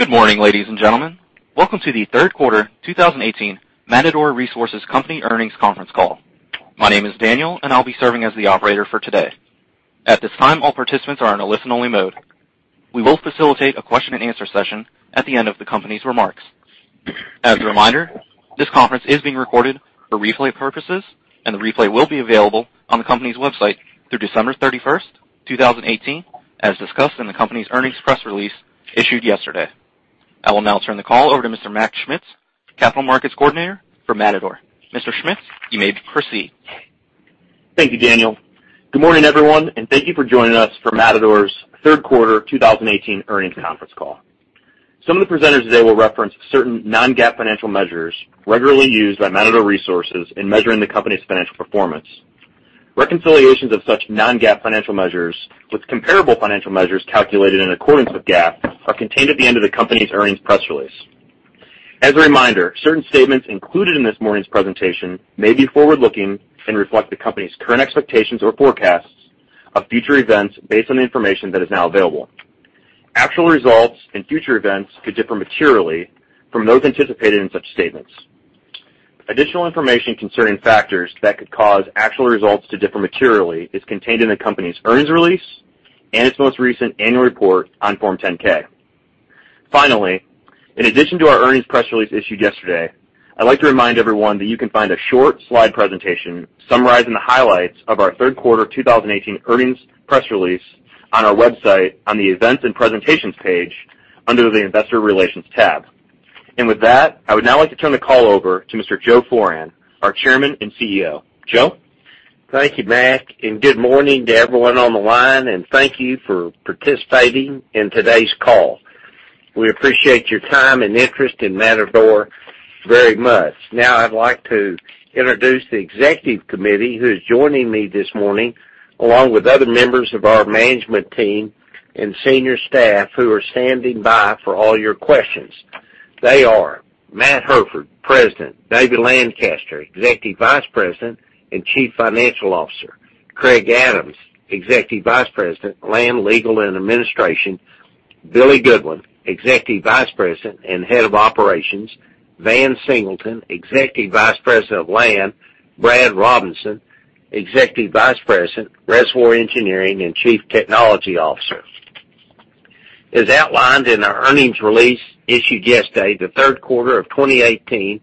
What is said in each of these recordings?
Good morning, ladies and gentlemen. Welcome to the third quarter 2018 Matador Resources Company earnings conference call. My name is Daniel, and I'll be serving as the operator for today. At this time, all participants are in a listen-only mode. We will facilitate a question and answer session at the end of the company's remarks. As a reminder, this conference is being recorded for replay purposes, and the replay will be available on the company's website through December 31, 2018, as discussed in the company's earnings press release issued yesterday. I will now turn the call over to Mr. Mac Schmitz, Capital Markets Coordinator for Matador. Mr. Schmitz, you may proceed. Thank you, Daniel. Good morning, everyone, and thank you for joining us for Matador's third quarter 2018 earnings conference call. Some of the presenters today will reference certain non-GAAP financial measures regularly used by Matador Resources in measuring the company's financial performance. Reconciliations of such non-GAAP financial measures with comparable financial measures calculated in accordance with GAAP are contained at the end of the company's earnings press release. As a reminder, certain statements included in this morning's presentation may be forward-looking and reflect the company's current expectations or forecasts of future events based on the information that is now available. Actual results and future events could differ materially from those anticipated in such statements. Additional information concerning factors that could cause actual results to differ materially is contained in the company's earnings release and its most recent annual report on Form 10-K. Finally, in addition to our earnings press release issued yesterday, I'd like to remind everyone that you can find a short slide presentation summarizing the highlights of our third quarter 2018 earnings press release on our website on the Events and Presentations page under the Investor Relations tab. With that, I would now like to turn the call over to Mr. Joseph Foran, our Chairman and CEO. Joe? Thank you, Matt. Good morning to everyone on the line, and thank you for participating in today's call. We appreciate your time and interest in Matador very much. Now I'd like to introduce the Executive Committee who's joining me this morning, along with other members of our management team and senior staff who are standing by for all your questions. They are Matt Hairford, President; David Lancaster, Executive Vice President and Chief Financial Officer; Craig Adams, Executive Vice President, Land, Legal, and Administration; Billy Goodwin, Executive Vice President and Head of Operations; Van Singleton, Executive Vice President of Land; Brad Robinson, Executive Vice President, Reservoir Engineering and Chief Technology Officer. As outlined in our earnings release issued yesterday, the third quarter of 2018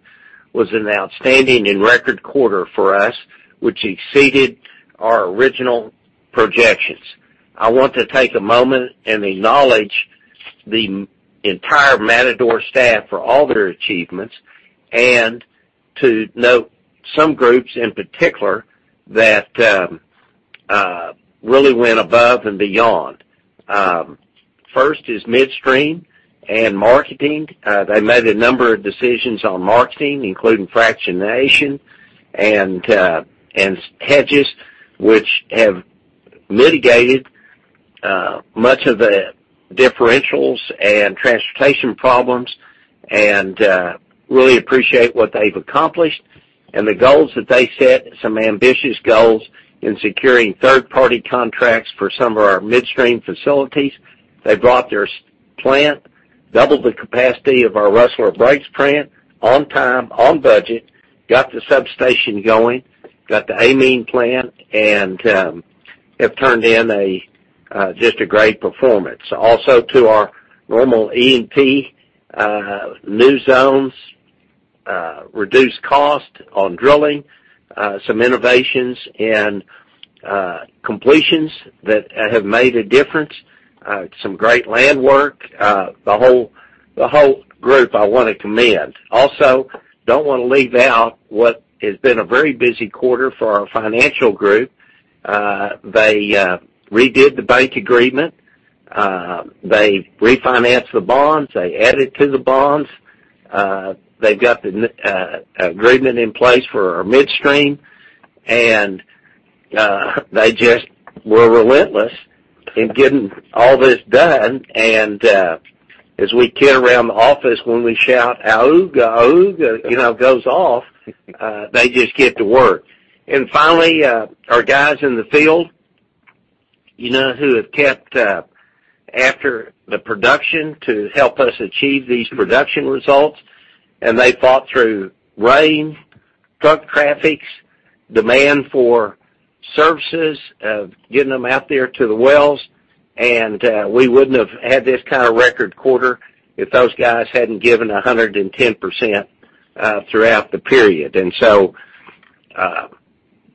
was an outstanding and record quarter for us, which exceeded our original projections. I want to take a moment and acknowledge the entire Matador staff for all their achievements and to note some groups in particular that really went above and beyond. First is midstream and marketing. They made a number of decisions on marketing, including fractionation and hedges, which have mitigated much of the differentials and transportation problems. Really appreciate what they've accomplished and the goals that they set, some ambitious goals in securing third-party contracts for some of our midstream facilities. They brought their plant, doubled the capacity of our Rustler Breaks plant on time, on budget, got the substation going, got the amine plant, and have turned in just a great performance. Also to our normal E&P new zones, reduced cost on drilling, some innovations in completions that have made a difference, some great land work. The whole group I want to commend. Don't want to leave out what has been a very busy quarter for our financial group. They redid the bank agreement. They refinanced the bonds. They added to the bonds. They've got the agreement in place for our midstream. They just were relentless in getting all this done. As we kid around the office when we shout, "Auge," it goes off, they just get to work. Finally, our guys in the field who have kept up after the production to help us achieve these production results. They fought through rain, truck traffics, demand for services, of getting them out there to the wells, and we wouldn't have had this kind of record quarter if those guys hadn't given 110% throughout the period.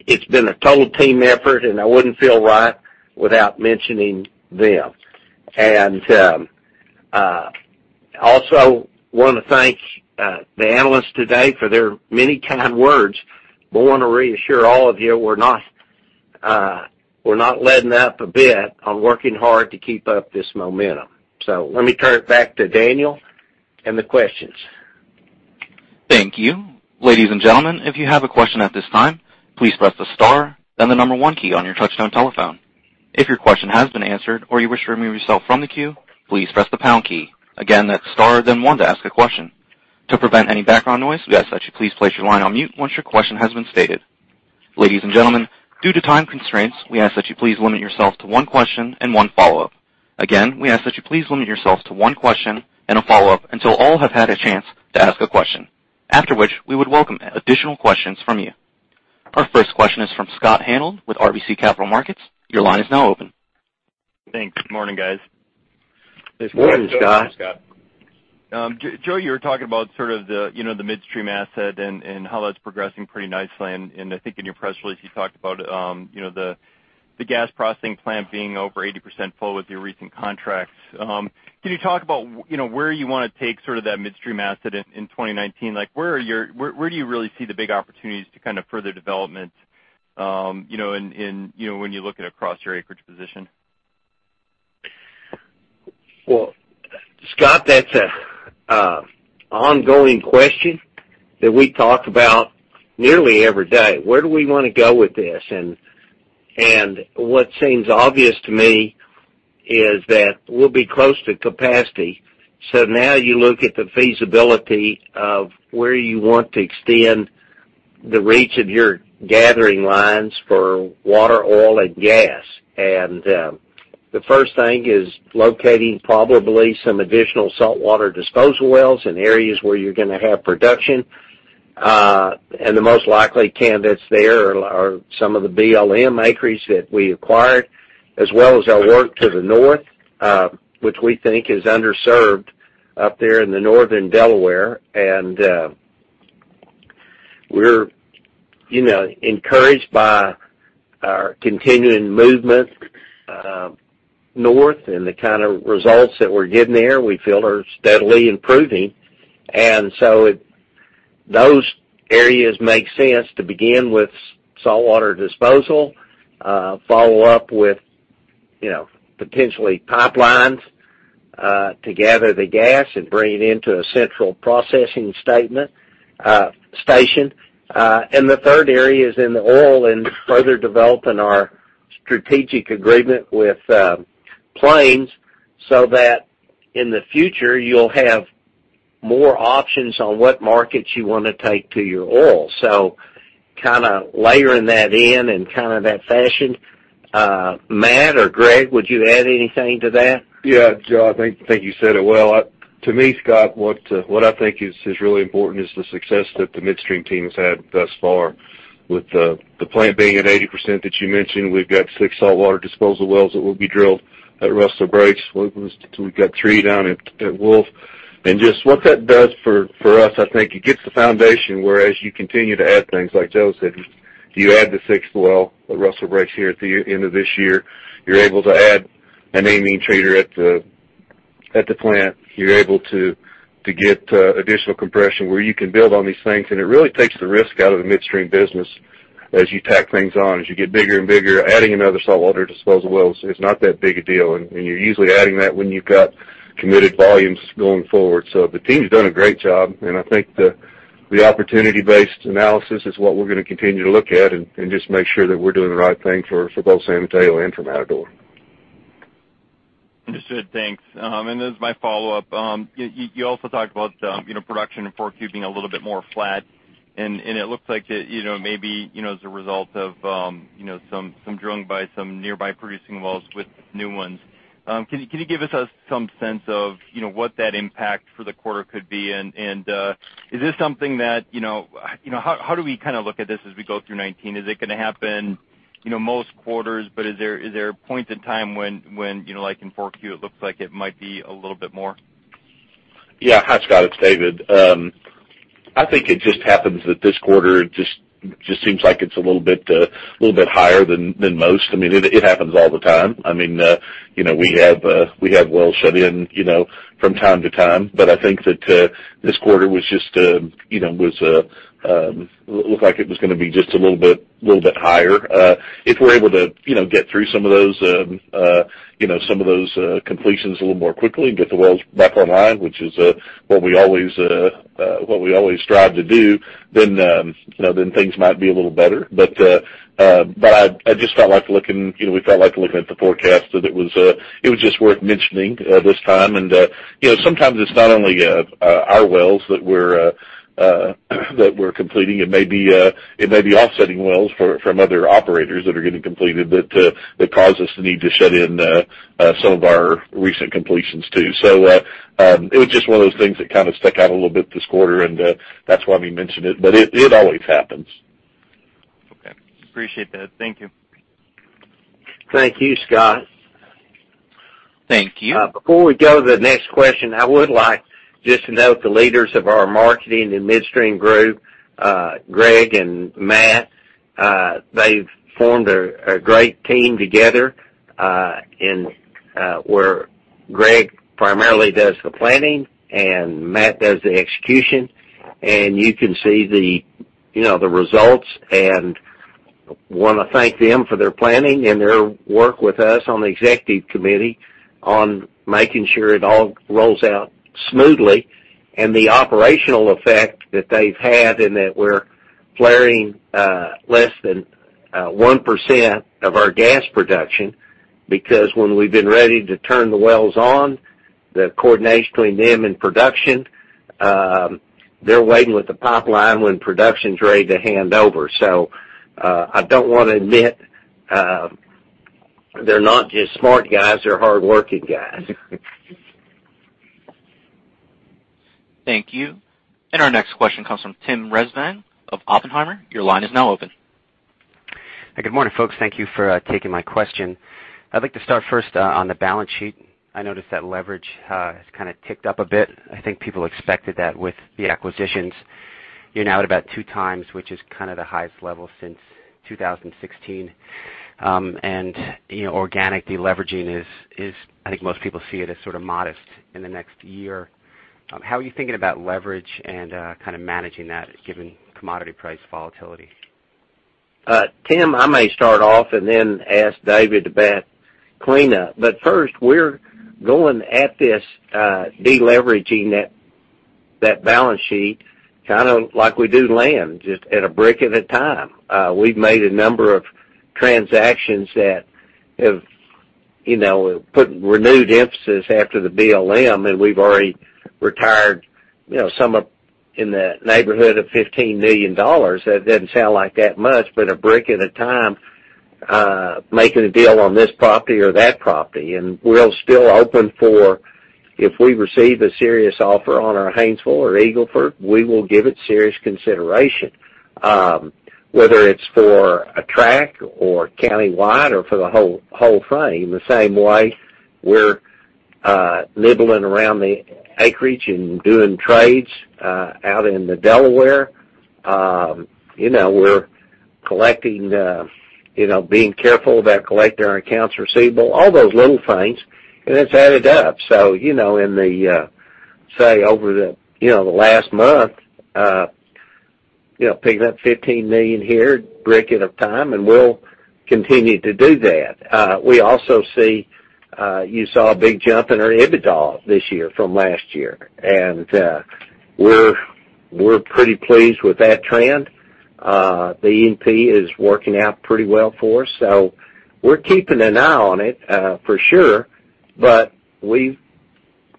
It's been a total team effort, and I wouldn't feel right without mentioning them. Want to thank the analysts today for their many kind words. Want to reassure all of you we're not letting up a bit on working hard to keep up this momentum. Let me turn it back to Daniel and the questions. Thank you. Ladies and gentlemen, if you have a question at this time, please press the star, then the number one key on your touchtone telephone. If your question has been answered or you wish to remove yourself from the queue, please press the pound key. Again, that's star then one to ask a question. To prevent any background noise, we ask that you please place your line on mute once your question has been stated. Ladies and gentlemen, due to time constraints, we ask that you please limit yourself to one question and one follow-up. Again, we ask that you please limit yourself to one question and a follow-up until all have had a chance to ask a question, after which we would welcome additional questions from you. Our first question is from Scott Hanold with RBC Capital Markets. Your line is now open. Thanks. Morning, guys. Good morning, Scott. Joe, you were talking about the midstream asset and how that's progressing pretty nicely. I think in your press release, you talked about the gas processing plant being over 80% full with your recent contracts. Can you talk about where you want to take that midstream asset in 2019? Where do you really see the big opportunities to further development when you're looking across your acreage position? Well, Scott, that's an ongoing question that we talk about nearly every day. Where do we want to go with this? What seems obvious to me is that we'll be close to capacity. Now you look at the feasibility of where you want to extend the reach of your gathering lines for water, oil, and gas. The first thing is locating probably some additional saltwater disposal wells in areas where you're going to have production. The most likely candidates there are some of the BLM acreage that we acquired, as well as our work to the north, which we think is underserved up there in the Northern Delaware. We're encouraged by our continuing movement north and the kind of results that we're getting there, we feel are steadily improving. those areas make sense to begin with saltwater disposal, follow up with potentially pipelines to gather the gas and bring it into a central processing station. The third area is in the oil and further developing our strategic agreement with Plains, that in the future, you'll have more options on what markets you want to take to your oil. Layering that in that fashion. Matt or Gregg, would you add anything to that? Yeah, Joe, I think you said it well. To me, Scott, what I think is really important is the success that the midstream team's had thus far with the plant being at 80% that you mentioned. We've got six saltwater disposal wells that will be drilled at Rustler Breaks. We've got three down at Wolf. Just what that does for us, I think it gives the foundation, where as you continue to add things, like Joe said, you add the sixth well at Rustler Breaks here at the end of this year. You're able to add an amine treater at the plant. You're able to get additional compression where you can build on these things, and it really takes the risk out of the midstream business as you tack things on, as you get bigger and bigger. Adding another saltwater disposal well is not that big a deal, and you're usually adding that when you've got committed volumes going forward. The team's done a great job, and I think the opportunity-based analysis is what we're going to continue to look at, and just make sure that we're doing the right thing for both San Mateo and for Matador. Understood. Thanks. As my follow-up, you also talked about production in 4Q being a little bit more flat, and it looks like it may be as a result of some drilling by some nearby producing wells with new ones. Can you give us some sense of what that impact for the quarter could be? How do we look at this as we go through 2019? Is it going to happen most quarters, but is there a point in time when, like in 4Q, it looks like it might be a little bit more? Yeah. Hi, Scott. It's David. I think it just happens that this quarter just seems like it's a little bit higher than most. It happens all the time. We have wells shut in from time to time, but I think that this quarter looked like it was going to be just a little bit higher. If we're able to get through some of those completions a little more quickly and get the wells back online, which is what we always strive to do, then things might be a little better. We felt like looking at the forecast that it was just worth mentioning this time. Sometimes it's not only our wells that we're completing. It may be offsetting wells from other operators that are getting completed that cause us the need to shut in some of our recent completions too. It was just one of those things that stuck out a little bit this quarter, and that's why we mentioned it, but it always happens. Okay. Appreciate that. Thank you. Thank you, Scott. Thank you. Before we go to the next question, I would like just to note the leaders of our marketing and midstream group, Greg and Matt. They've formed a great team together, where Greg primarily does the planning and Matt does the execution, and you can see the results, and want to thank them for their planning and their work with us on the executive committee on making sure it all rolls out smoothly. The operational effect that they've had in that we're flaring less than 1% of our gas production, because when we've been ready to turn the wells on. The coordination between them and production, they're waiting with the pipeline when production's ready to hand over. I don't want to omit, they're not just smart guys, they're hardworking guys. Thank you. Our next question comes from Tim Rezvan of Oppenheimer. Your line is now open. Good morning, folks. Thank you for taking my question. I'd like to start first on the balance sheet. I noticed that leverage has kind of ticked up a bit. I think people expected that with the acquisitions. You're now at about 2x, which is the highest level since 2016. Organically, leveraging is, I think most people see it as sort of modest in the next year. How are you thinking about leverage and managing that given commodity price volatility? Tim, I may start off and then ask David to clean up. First, we're going at this, de-leveraging that balance sheet, kind of like we do land, just at a brick at a time. We've made a number of transactions that have put renewed emphasis after the BLM, and we've already retired somewhere in the neighborhood of $15 million. That doesn't sound like that much, but a brick at a time, making a deal on this property or that property. We're still open for, if we receive a serious offer on our Haynesville or Eagle Ford, we will give it serious consideration. Whether it's for a track or countywide or for the whole thing, the same way we're nibbling around the acreage and doing trades out in the Delaware. We're being careful about collecting our accounts receivable, all those little things, and it's added up. In the, say, over the last month, picking up $15 million here, a brick at a time, and we'll continue to do that. You saw a big jump in our EBITDA this year from last year. We're pretty pleased with that trend. The E&P is working out pretty well for us, so we're keeping an eye on it for sure, but we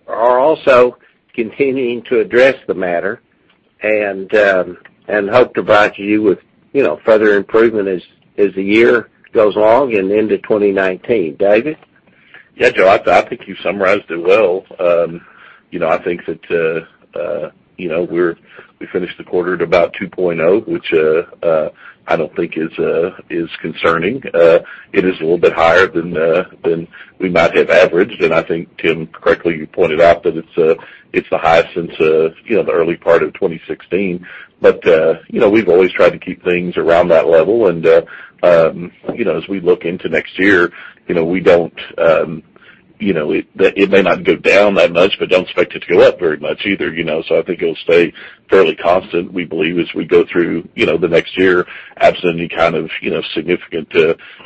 are also continuing to address the matter and hope to provide you with further improvement as the year goes along and into 2019. David? Joe, I think you summarized it well. I think that we finished the quarter at about 2.0, which I don't think is concerning. It is a little bit higher than we might have averaged, and I think, Tim, correctly you pointed out that it's the highest since the early part of 2016. We've always tried to keep things around that level, and as we look into next year, it may not go down that much, but don't expect it to go up very much either. I think it'll stay fairly constant, we believe, as we go through the next year, absent any kind of significant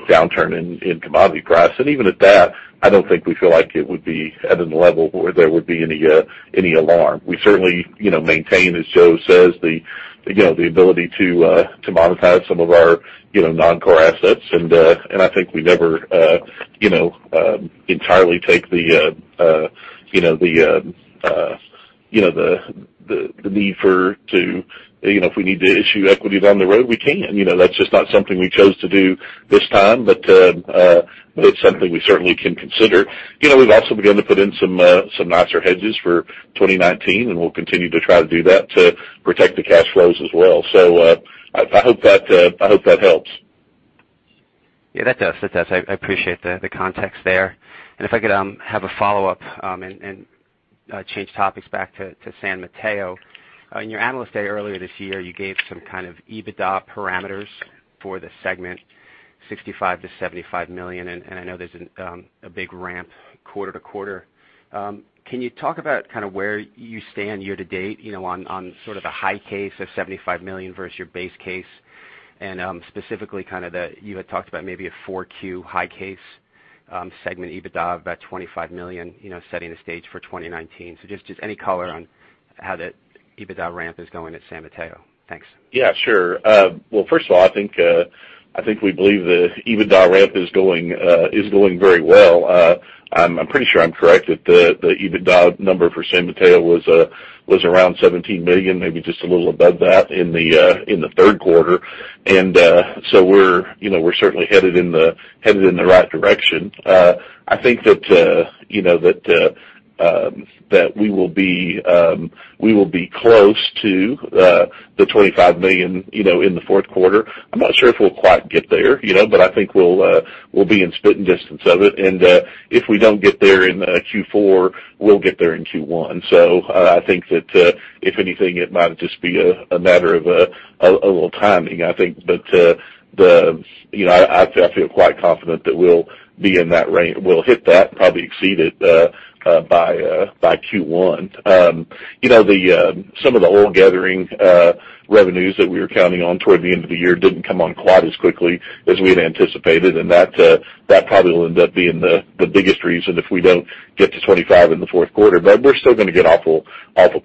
downturn in commodity price. Even at that, I don't think we feel like it would be at a level where there would be any alarm. We certainly maintain, as Joe says, the ability to monetize some of our non-core assets. I think we never entirely take the need for if we need to issue equities on the road, we can. That's just not something we chose to do this time, but it's something we certainly can consider. We've also begun to put in some nicer hedges for 2019, and we'll continue to try to do that to protect the cash flows as well. I hope that helps. Yeah, that does. I appreciate the context there. If I could have a follow-up and change topics back to San Mateo. In your Analyst Day earlier this year, you gave some kind of EBITDA parameters for the segment, $65 million-$75 million. I know there's a big ramp quarter-to-quarter. Can you talk about where you stand year-to-date, on sort of a high case of $75 million versus your base case? Specifically, you had talked about maybe a Q4 high case segment EBITDA of about $25 million, setting the stage for 2019. Just any color on how that EBITDA ramp is going at San Mateo. Thanks. First of all, I think we believe the EBITDA ramp is going very well. I'm pretty sure I'm correct that the EBITDA number for San Mateo was around $17 million, maybe just a little above that in the third quarter. We're certainly headed in the right direction. I think that we will be close to the $25 million in the fourth quarter. I'm not sure if we'll quite get there, but I think we'll be in spitting distance of it. If we don't get there in Q4, we'll get there in Q1. I think that if anything, it might just be a matter of a little timing, I think. I feel quite confident that we'll hit that and probably exceed it by Q1. Some of the oil gathering revenues that we were counting on toward the end of the year didn't come on quite as quickly as we had anticipated. That probably will end up being the biggest reason if we don't get to $25 million in the fourth quarter. We're still going to get awful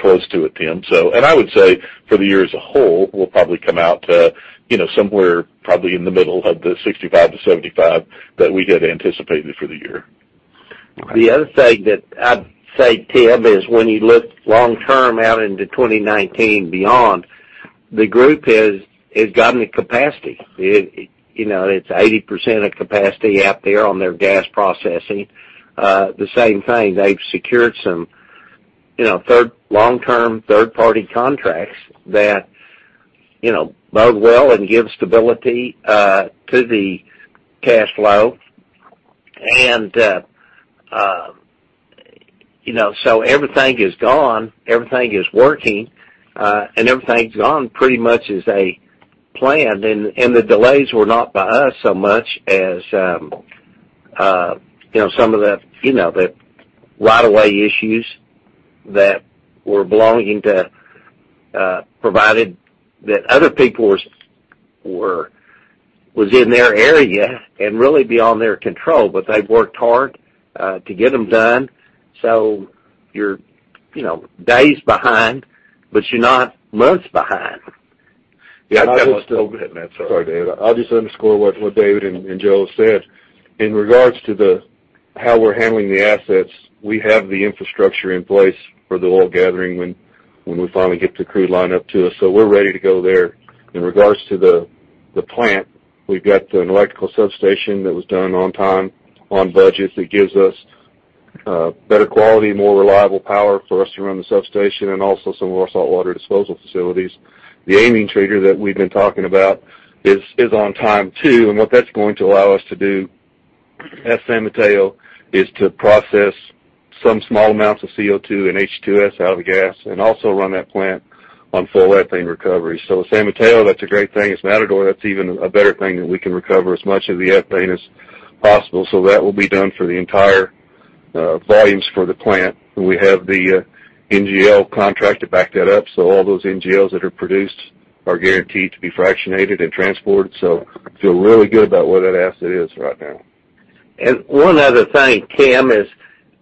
close to it, Tim. I would say, for the year as a whole, we'll probably come out to somewhere probably in the middle of the $65 million-$75 million that we had anticipated for the year. The other thing that I'd say, Tim, is when you look long-term out into 2019 beyond, the group has gotten the capacity. It's 80% of capacity out there on their gas processing. The same thing, they've secured some long-term third-party contracts that bode well and give stability to the cash flow. Everything is gone, everything is working, and everything's gone pretty much as they planned. The delays were not by us so much as some of the right of way issues that were provided that other people was in their area and really beyond their control. They've worked hard to get them done. You're days behind, but you're not months behind. Sorry, David. I'll just underscore what David and Joe said. In regards to how we're handling the assets, we have the infrastructure in place for the oil gathering when we finally get the crude line up to us. We're ready to go there. In regards to the plant, we've got an electrical substation that was done on time, on budget, that gives us better quality, more reliable power for us to run the substation and also some of our saltwater disposal facilities. The amine treater that we've been talking about is on time, too, and what that's going to allow us to do at San Mateo is to process some small amounts of CO2 and H2S out of the gas, and also run that plant on full ethane recovery. At San Mateo, that's a great thing. At Matador, that's even a better thing that we can recover as much of the ethane as possible. That will be done for the entire volumes for the plant. We have the NGL contract to back that up, so all those NGLs that are produced are guaranteed to be fractionated and transported. Feel really good about where that asset is right now. One other thing, Tim, is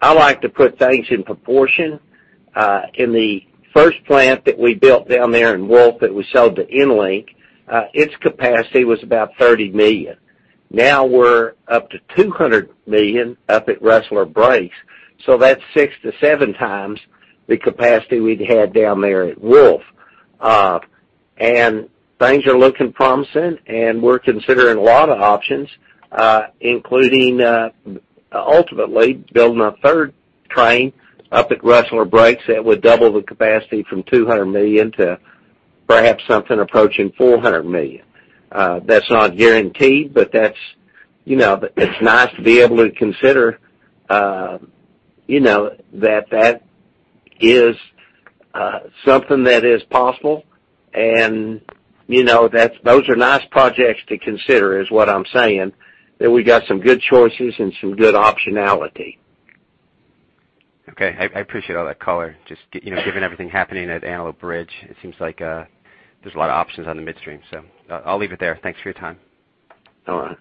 I like to put things in proportion. In the first plant that we built down there in Wolf that we sold to EnLink, its capacity was about $30 million. Now we're up to $200 million up at Rustler Breaks, so that's six to seven times the capacity we'd had down there at Wolf. Things are looking promising, and we're considering a lot of options, including ultimately building a third train up at Rustler Breaks that would double the capacity from $200 million to perhaps something approaching $400 million. That's not guaranteed, but it's nice to be able to consider that is something that is possible, and those are nice projects to consider, is what I'm saying. That we got some good choices and some good optionality. Okay. I appreciate all that color. Just given everything happening at Antelope Ridge, it seems like there's a lot of options on the midstream. I'll leave it there. Thanks for your time. All right.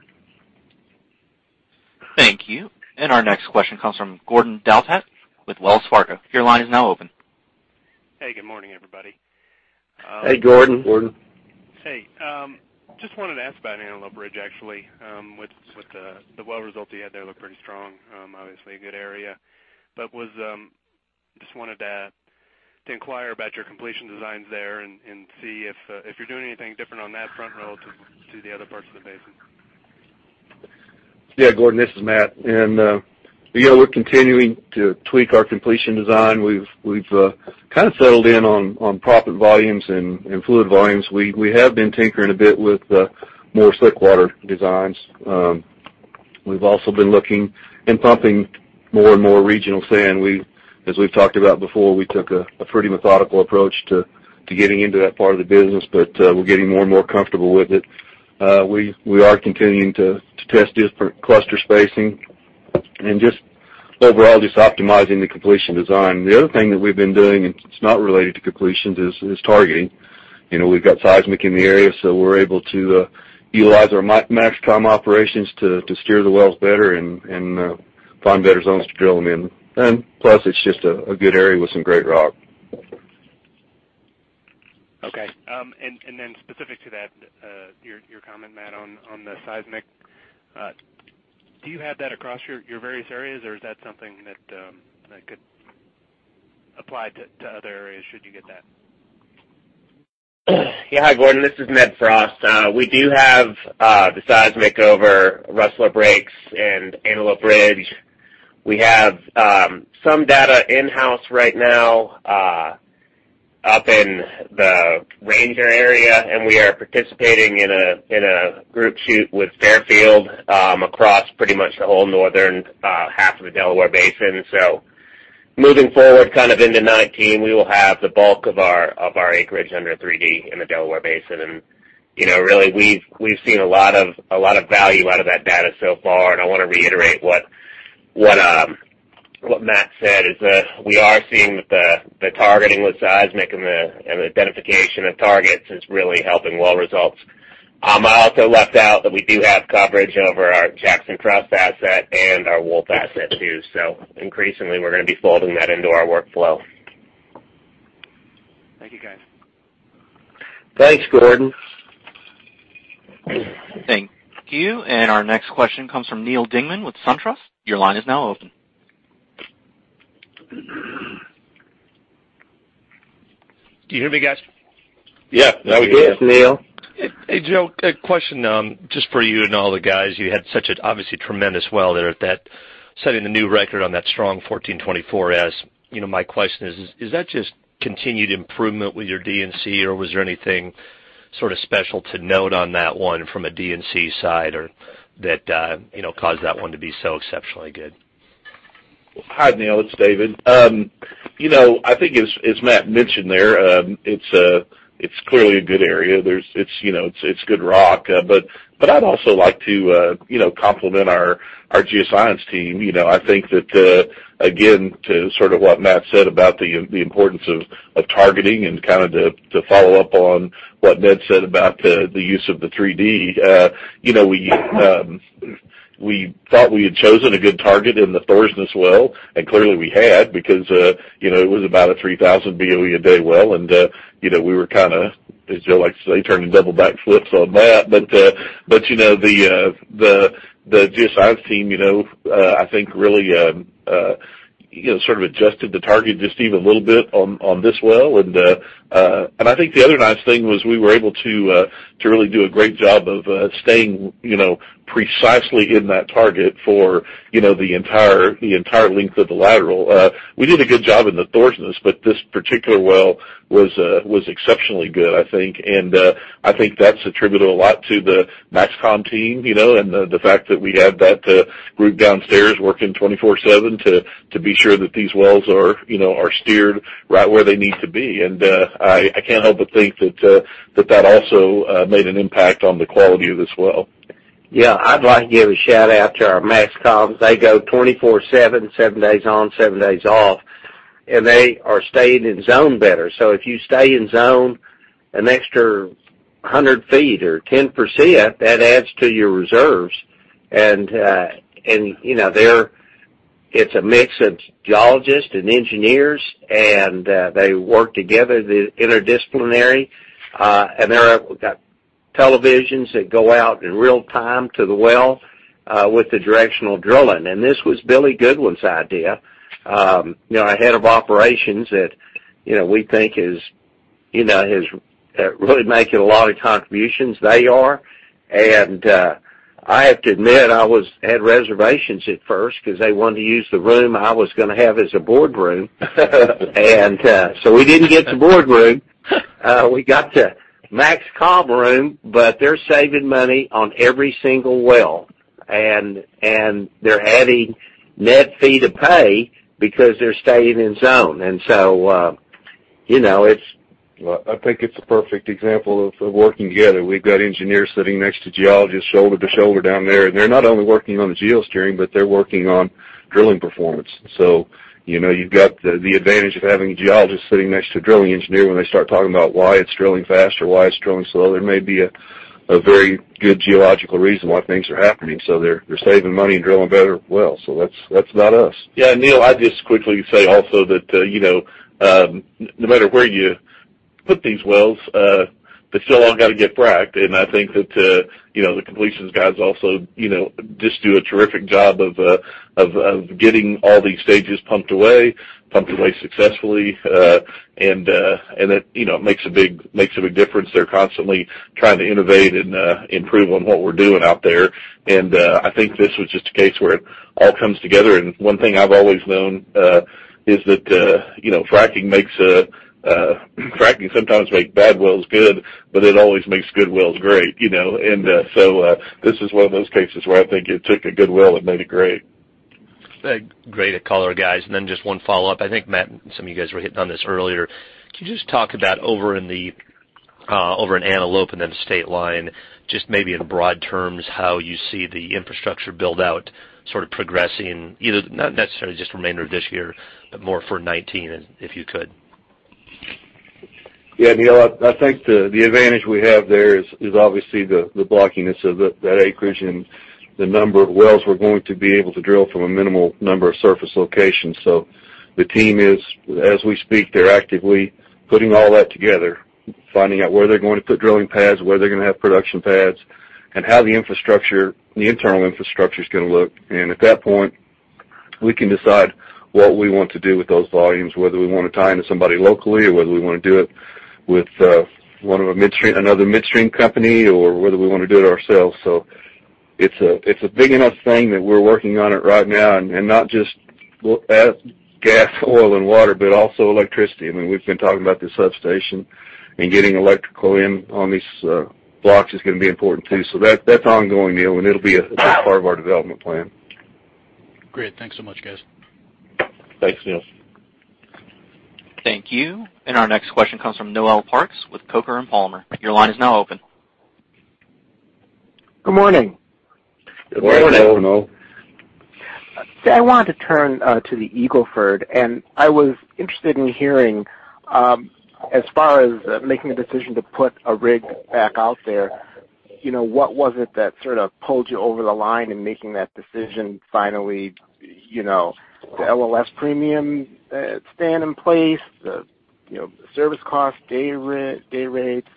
Thank you. Our next question comes from Gordon Douthat with Wells Fargo. Your line is now open. Hey, good morning, everybody. Hey, Gordon. Gordon. Hey. Just wanted to ask about Antelope Ridge, actually. With the well results you had there look pretty strong, obviously a good area. Just wanted to inquire about your completion designs there and see if you are doing anything different on that front relative to the other parts of the basin. Yeah, Gordon, this is Matt. We are continuing to tweak our completion design. We have kind of settled in on proppant volumes and fluid volumes. We have been tinkering a bit with more slickwater designs. We have also been looking in pumping more and more regional sand. As we have talked about before, we took a pretty methodical approach to getting into that part of the business, but we are getting more and more comfortable with it. We are continuing to test different cluster spacing, and overall, just optimizing the completion design. The other thing that we have been doing, and it is not related to completions, is targeting. We have got seismic in the area, so we are able to utilize our MAXCOM operations to steer the wells better and find better zones to drill them in. Plus, it is just a good area with some great rock. Okay. Then specific to that, your comment, Matt, on the seismic. Do you have that across your various areas, or is that something that could apply to other areas should you get that? Yeah. Hi, Gordon, this is Matt Frost. We do have the seismic over Rustler Breaks and Antelope Ridge. We have some data in-house right now up in the Ranger area, and we are participating in a group shoot with Fairfield across pretty much the whole northern half of the Delaware Basin. Moving forward into 2019, we will have the bulk of our acreage under 3D in the Delaware Basin. Really, we have seen a lot of value out of that data so far, and I want to reiterate what Matt said, is we are seeing that the targeting with seismic and the identification of targets is really helping well results. I also left out that we do have coverage over our Jackson Trust asset and our Wolf asset, too. Increasingly, we are going to be folding that into our workflow. Thank you, guys. Thanks, Gordon. Thank you. Our next question comes from Neal Dingmann with SunTrust. Your line is now open. Do you hear me, guys? Yeah. Now we do, Neal. Hey, Joe, a question just for you and all the guys. You had such a, obviously, tremendous well there at that, setting the new record on that strong 1424 S. My question is that just continued improvement with your D&C, or was there anything sort of special to note on that one from a D&C side, or that caused that one to be so exceptionally good? Hi, Neal, it's David. I think as Matt mentioned there, it's clearly a good area. It's good rock. I'd also like to compliment our geoscience team. I think that, again, to sort of what Matt said about the importance of targeting and to follow up on what Ned said about the use of the 3D. We thought we had chosen a good target in the Thorsness well, and clearly we had, because it was about a 3,000 BOE a day well, and we were kinda, as Joe likes to say, turning double back flips on that. The geoscience team I think really sort of adjusted the target just even a little bit on this well, and I think the other nice thing was we were able to really do a great job of staying precisely in that target for the entire length of the lateral. We did a good job in the Thorsness, but this particular well was exceptionally good, I think. I think that's attributable a lot to the MAXCOM team, and the fact that we have that group downstairs working 24/7 to be sure that these wells are steered right where they need to be. I can't help but think that also made an impact on the quality of this well. Yeah. I'd like to give a shout-out to our MAXCOMs. They go 24/7, seven days on, seven days off, they are staying in zone better. If you stay in zone an extra 100 feet or 10%, that adds to your reserves. It's a mix of geologists and engineers, they work together, the interdisciplinary, they've got televisions that go out in real time to the well with the directional drilling, this was Billy Goodwin's idea. Our head of operations that we think is really making a lot of contributions. They are. I have to admit, I had reservations at first because they wanted to use the room I was going to have as a boardroom. We didn't get the boardroom. We got the MAXCOM room, they're saving money on every single well, they're adding net feet of pay because they're staying in zone. Well, I think it's a perfect example of working together. We've got engineers sitting next to geologists shoulder to shoulder down there, they're not only working on the geosteering, they're working on drilling performance. You've got the advantage of having a geologist sitting next to a drilling engineer when they start talking about why it's drilling fast or why it's drilling slow. There may be a very good geological reason why things are happening. They're saving money and drilling a better well. That's about us. Yeah. Neal, I'd just quickly say also that no matter where you put these wells, they still all got to get fracked, I think that the completions guys also just do a terrific job of getting all these stages pumped away successfully, that makes a big difference. They're constantly trying to innovate and improve on what we're doing out there. I think this was just a case where it all comes together, one thing I've always known is that fracking sometimes makes bad wells good, it always makes good wells great. This is one of those cases where I think it took a good well and made it great. Great. A call out, guys. Just one follow-up. I think, Matt, and some of you guys were hitting on this earlier. Could you just talk about over in Antelope and then Stateline, just maybe in broad terms, how you see the infrastructure build-out sort of progressing, either not necessarily just the remainder of this year, but more for 2019, if you could? Yeah, Neal, I think the advantage we have there is obviously the blockiness of that acreage and the number of wells we're going to be able to drill from a minimal number of surface locations. The team is, as we speak, they're actively putting all that together, finding out where they're going to put drilling pads, where they're going to have production pads, and how the internal infrastructure's going to look. At that point, we can decide what we want to do with those volumes, whether we want to tie into somebody locally or whether we want to do it with another midstream company, or whether we want to do it ourselves. It's a big enough thing that we're working on it right now, and not just gas, oil, and water, but also electricity. I mean, we've been talking about the substation and getting electrical in on these blocks is going to be important too. That's ongoing, Neal, and it'll be a big part of our development plan. Great. Thanks so much, guys. Thanks, Neal. Thank you. Our next question comes from Noel Parks with Coker & Palmer. Your line is now open. Good morning. Good morning, Noel. I wanted to turn to the Eagle Ford, and I was interested in hearing as far as making a decision to put a rig back out there. What was it that sort of pulled you over the line in making that decision finally? The LLS premium staying in place, the service cost, day rates,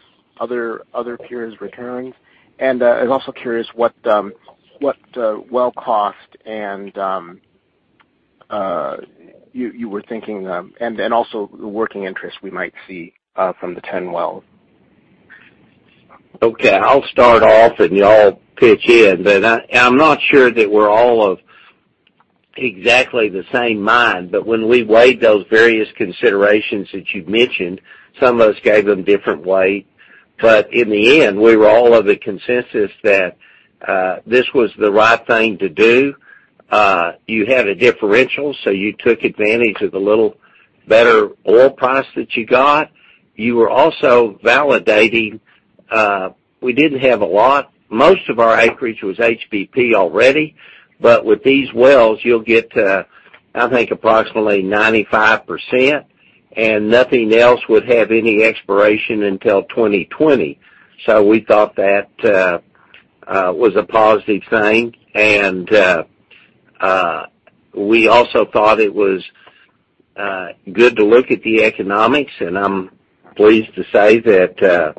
other peers returning? I was also curious what well cost you were thinking, and also the working interest we might see from the 10 wells. Okay. I'll start off and y'all pitch in. I'm not sure that we're all of exactly the same mind, but when we weighed those various considerations that you've mentioned, some of us gave them different weight. In the end, we were all of the consensus that this was the right thing to do. You had a differential, you took advantage of the little better oil price that you got. You were also validating, we didn't have a lot. Most of our acreage was HBP already, but with these wells, you'll get, I think, approximately 95%, and nothing else would have any expiration until 2020. We thought that was a positive thing, we also thought it was good to look at the economics, I'm pleased to say that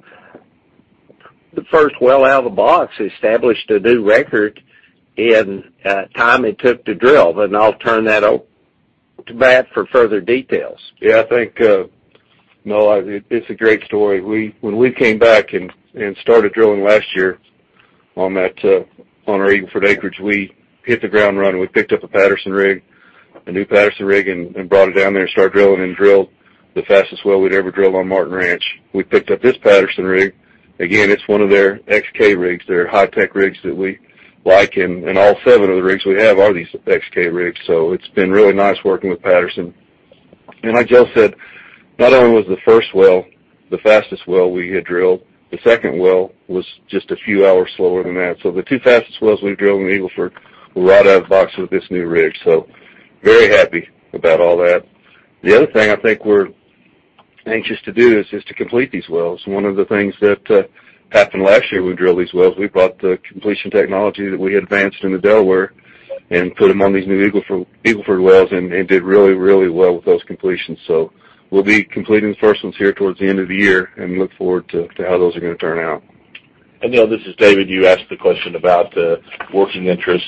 the first well out of the box established a new record in time it took to drill. I'll turn that over to Matt for further details. Yeah, I think, Noel, it's a great story. When we came back and started drilling last year on our Eagle Ford acreage, we hit the ground running. We picked up a new Patterson rig and brought it down there and started drilling and drilled the fastest well we'd ever drilled on Martin Ranch. We picked up this Patterson rig. Again, it's one of their XK rigs, they're high-tech rigs that we like, and all seven of the rigs we have are these XK rigs, it's been really nice working with Patterson. Like Joe said, not only was the first well the fastest well we had drilled, the second well was just a few hours slower than that. The two fastest wells we've drilled in Eagle Ford were right out of the box with this new rig, very happy about all that. The other thing I think we're anxious to do is just to complete these wells. One of the things that happened last year, we drilled these wells, we brought the completion technology that we advanced into Delaware and put them on these new Eagle Ford wells and did really well with those completions. We'll be completing the first ones here towards the end of the year and look forward to how those are going to turn out. Neal, this is David. You asked the question about working interest.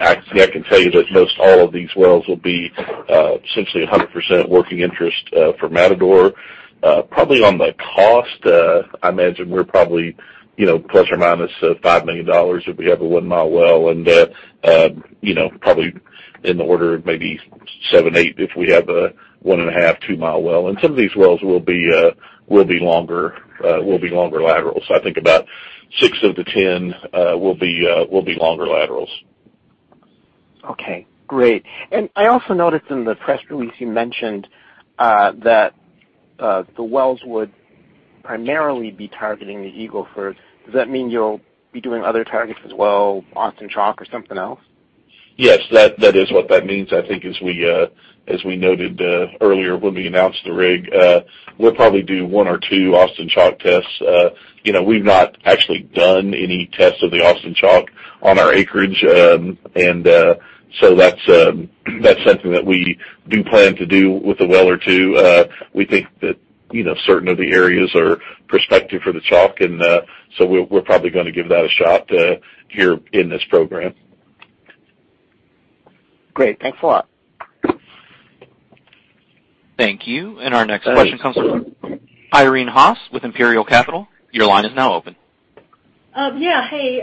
Actually, I can tell you that most all of these wells will be essentially 100% working interest for Matador. Probably on the cost, I imagine we're probably ±$5 million if we have a one-mile well, and probably in the order of maybe seven, eight, if we have a one-and-a-half, two-mile well. Some of these wells will be longer laterals. I think about six of the 10 will be longer laterals. Okay, great. I also noticed in the press release you mentioned that the wells would primarily be targeting the Eagle Ford. Does that mean you'll be doing other targets as well, Austin Chalk or something else? Yes, that is what that means. I think as we noted earlier when we announced the rig, we'll probably do one or two Austin Chalk tests. We've not actually done any tests of the Austin Chalk on our acreage, that's something that we do plan to do with a well or two. We think that certain of the areas are prospective for the Chalk, we're probably going to give that a shot here in this program. Great. Thanks a lot. Thank you. Our next question comes from Irene Haas with Imperial Capital. Your line is now open. Yeah, hey.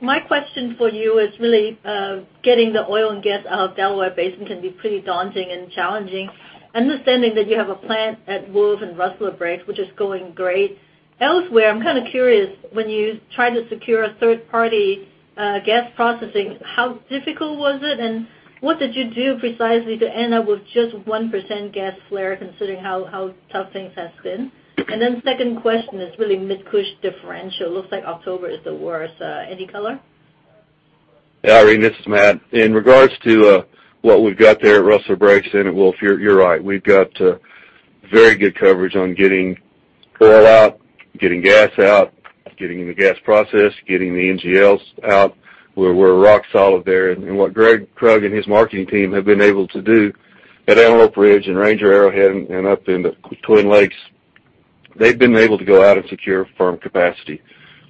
My question for you is really getting the oil and gas out of Delaware Basin can be pretty daunting and challenging. Understanding that you have a plant at Wolf and Rustler Breaks, which is going great. Elsewhere, I'm curious, when you try to secure a third-party gas processing, how difficult was it, and what did you do precisely to end up with just 1% gas flare, considering how tough things has been? Second question is really Mid-Cush differential. Looks like October is the worst. Any color? Yeah, Irene, this is Matt. In regards to what we've got there at Rustler Breaks and at Wolf, you're right. We've got very good coverage on getting oil out, getting gas out, getting the gas processed, getting the NGLs out. We're rock solid there. What Gregg Krug and his marketing team have been able to do at Antelope Ridge and Ranger/Arrowhead and up in the Twin Lakes, they've been able to go out and secure firm capacity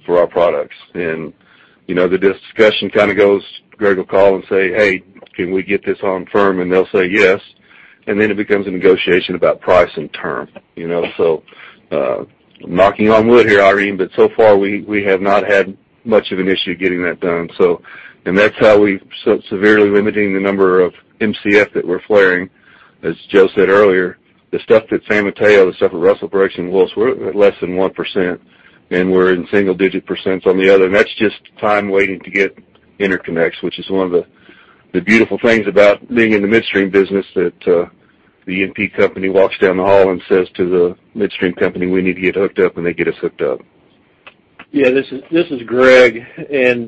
for our products. The discussion goes, Greg will call and say, "Hey, can we get this on firm?" They'll say, "Yes." It becomes a negotiation about price and term. Knocking on wood here, Irene, but so far we have not had much of an issue getting that done. That's how we severely limiting the number of MCF that we're flaring. As Joe said earlier, the stuff at San Mateo, the stuff at Rustler Breaks and Wolf, we're at less than 1%, and we're in single digit percents on the other, and that's just time waiting to get interconnects, which is one of the beautiful things about being in the midstream business, that the E&P company walks down the hall and says to the midstream company, "We need to get hooked up," and they get us hooked up. Yeah, this is Greg.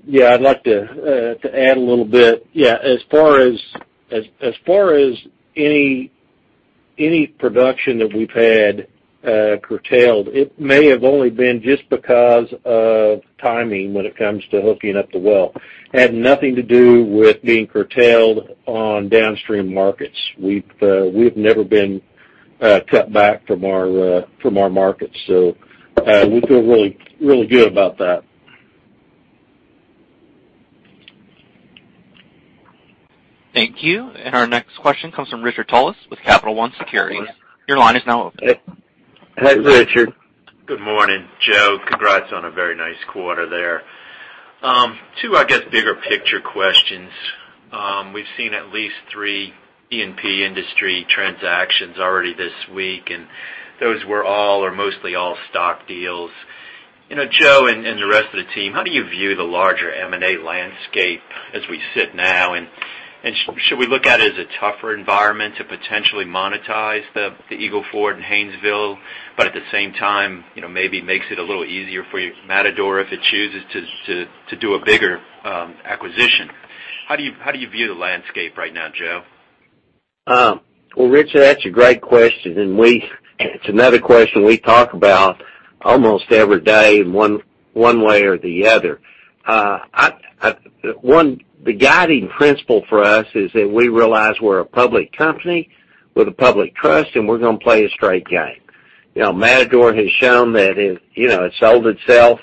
Yeah, I'd like to add a little bit. Yeah, as far as any production that we've had curtailed, it may have only been just because of timing when it comes to hooking up the well. Had nothing to do with being curtailed on downstream markets. We've never been cut back from our markets, we feel really good about that. Thank you. Our next question comes from Richard Tullis with Capital One Securities. Your line is now open. Hey. Hey, Richard. Good morning, Joe. Congrats on a very nice quarter there. Two, I guess, bigger picture questions. We've seen at least three E&P industry transactions already this week, and those were all or mostly all stock deals. Joe and the rest of the team, how do you view the larger M&A landscape as we sit now? Should we look at it as a tougher environment to potentially monetize the Eagle Ford and Haynesville, but at the same time, maybe makes it a little easier for Matador if it chooses to do a bigger acquisition? How do you view the landscape right now, Joe? Well, Richard, that's a great question, and it's another question we talk about almost every day in one way or the other. The guiding principle for us is that we realize we're a public company with a public trust, and we're going to play a straight game. Matador has shown that it's sold itself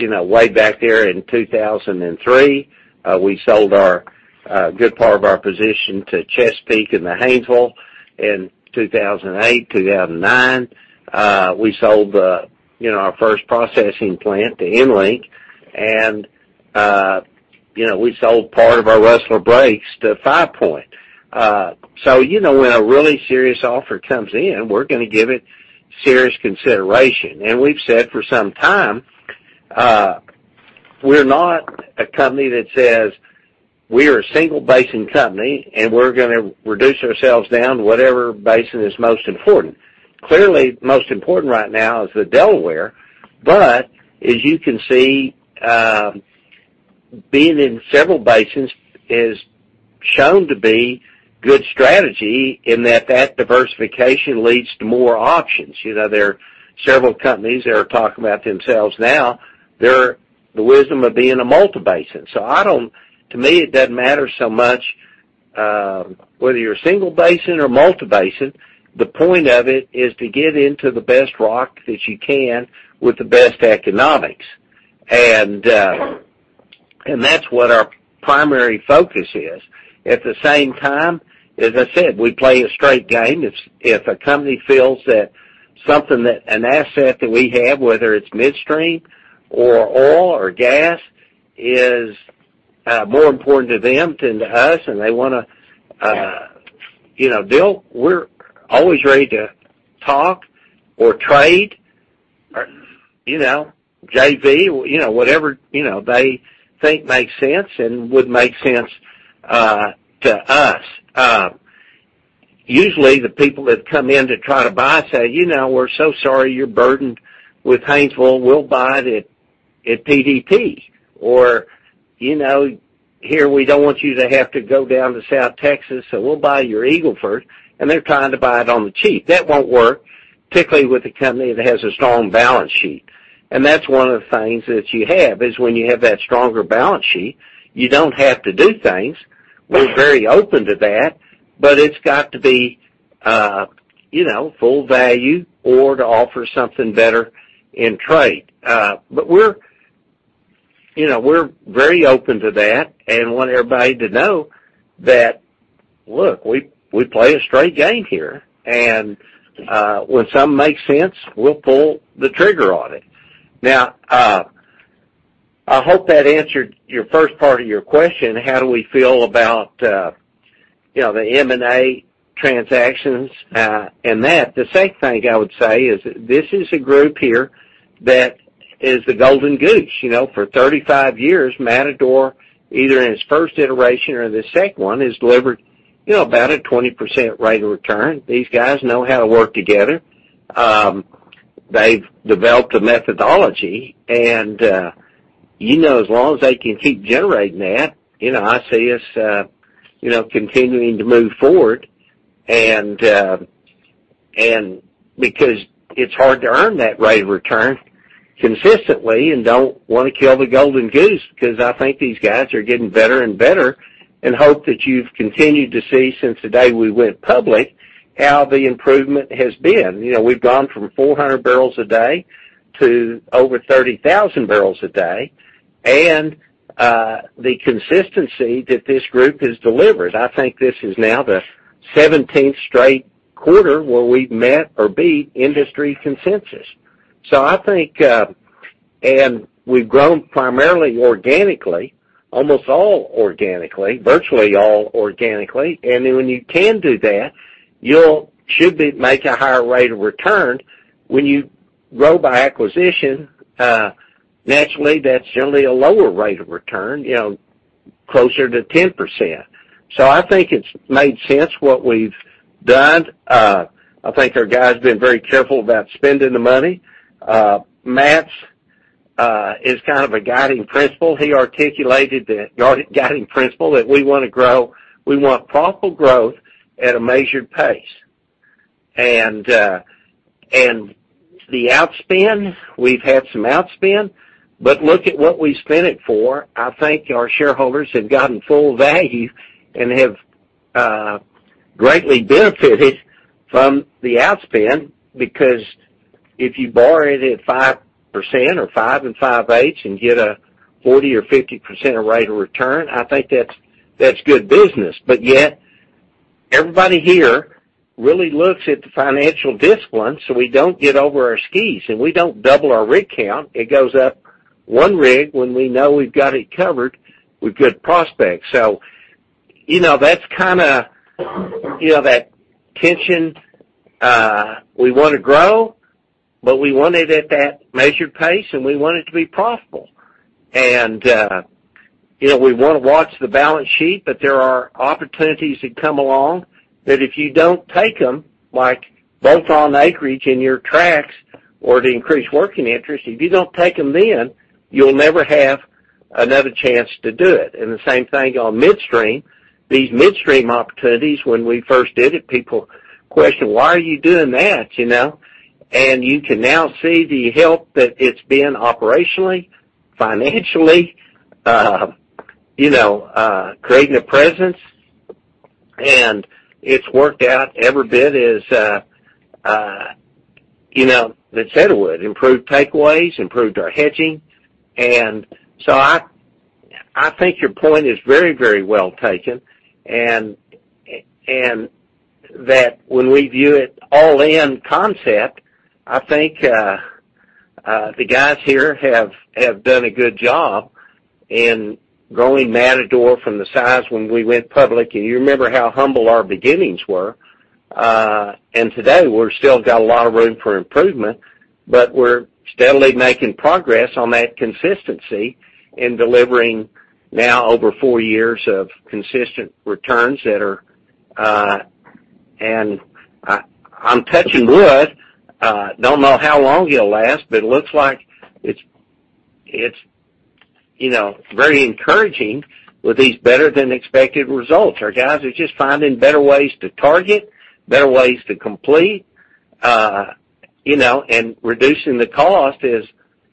way back there in 2003. We sold a good part of our position to Chesapeake and the Haynesville in 2008, 2009. We sold our first processing plant to EnLink, and we sold part of our Rustler Breaks to Five Point. When a really serious offer comes in, we're going to give it serious consideration. We've said for some time, we're not a company that says we're a single-basin company, and we're going to reduce ourselves down to whatever basin is most important. Clearly, most important right now is the Delaware. As you can see, being in several basins is shown to be good strategy in that diversification leads to more options. There are several companies that are talking about themselves now, the wisdom of being a multi-basin. To me, it doesn't matter so much whether you're a single basin or multi-basin. The point of it is to get into the best rock that you can with the best economics. That's what our primary focus is. At the same time, as I said, we play a straight game. If a company feels that something, that an asset that we have, whether it's midstream or oil or gas, is more important to them than to us, and they want to build, we're always ready to talk or trade or JV, whatever they think makes sense and would make sense to us. Usually, the people that come in to try to buy say, "We're so sorry you're burdened with Haynesville. We'll buy it at PDP." Or, "Here, we don't want you to have to go down to South Texas, so we'll buy your Eagle Ford." They're trying to buy it on the cheap. That won't work, particularly with a company that has a strong balance sheet. That's one of the things that you have, is when you have that stronger balance sheet, you don't have to do things. We're very open to that, but it's got to be full value or to offer something better in trade. We're very open to that and want everybody to know that, look, we play a straight game here. When something makes sense, we'll pull the trigger on it. I hope that answered your first part of your question, how do we feel about the M&A transactions and that. The second thing I would say is this is a group here that is the golden goose. For 35 years, Matador, either in its first iteration or the second one, has delivered about a 20% rate of return. These guys know how to work together. They've developed a methodology. As long as they can keep generating that, I see us continuing to move forward, because it's hard to earn that rate of return consistently and don't want to kill the golden goose, because I think these guys are getting better and better. Hope that you've continued to see since the day we went public how the improvement has been. We've gone from 400 barrels a day to over 30,000 barrels a day. The consistency that this group has delivered. I think this is now the 17th straight quarter where we've met or beat industry consensus. We've grown primarily organically, almost all organically, virtually all organically. When you can do that, you should make a higher rate of return. When you grow by acquisition, naturally, that's generally a lower rate of return closer to 10%. I think it's made sense what we've done. I think our guys have been very careful about spending the money. Matt's is kind of a guiding principle. He articulated the guiding principle that we want to grow. We want profitable growth at a measured pace. The outspend, we've had some outspend, look at what we spent it for. I think our shareholders have gotten full value and have greatly benefited from the outspend, because if you borrow it at 5% or five and five-eighths and get a 40% or 50% rate of return, I think that's good business. Everybody here really looks at the financial discipline, we don't get over our skis, we don't double our rig count. It goes up one rig when we know we've got it covered with good prospects. That's kind of that tension. We want to grow, we want it at that measured pace, we want it to be profitable. We want to watch the balance sheet, there are opportunities that come along, that if you don't take them, like bolt-on acreage in your tracks or to increase working interest, if you don't take them, you'll never have another chance to do it. The same thing on midstream. These midstream opportunities, when we first did it, people questioned, "Why are you doing that?" You can now see the help that it's been operationally, financially, creating a presence. It's worked out every bit as they said it would. Improved takeaways, improved our hedging. I think your point is very well taken, when we view it all-in concept, I think the guys here have done a good job in growing Matador from the size when we went public, you remember how humble our beginnings were. Today, we're still got a lot of room for improvement, but we're steadily making progress on that consistency and delivering now over 4 years of consistent returns that are. I'm touching wood, don't know how long it'll last, but it looks like it's very encouraging with these better than expected results. Our guys are just finding better ways to target, better ways to complete, and reducing the cost, as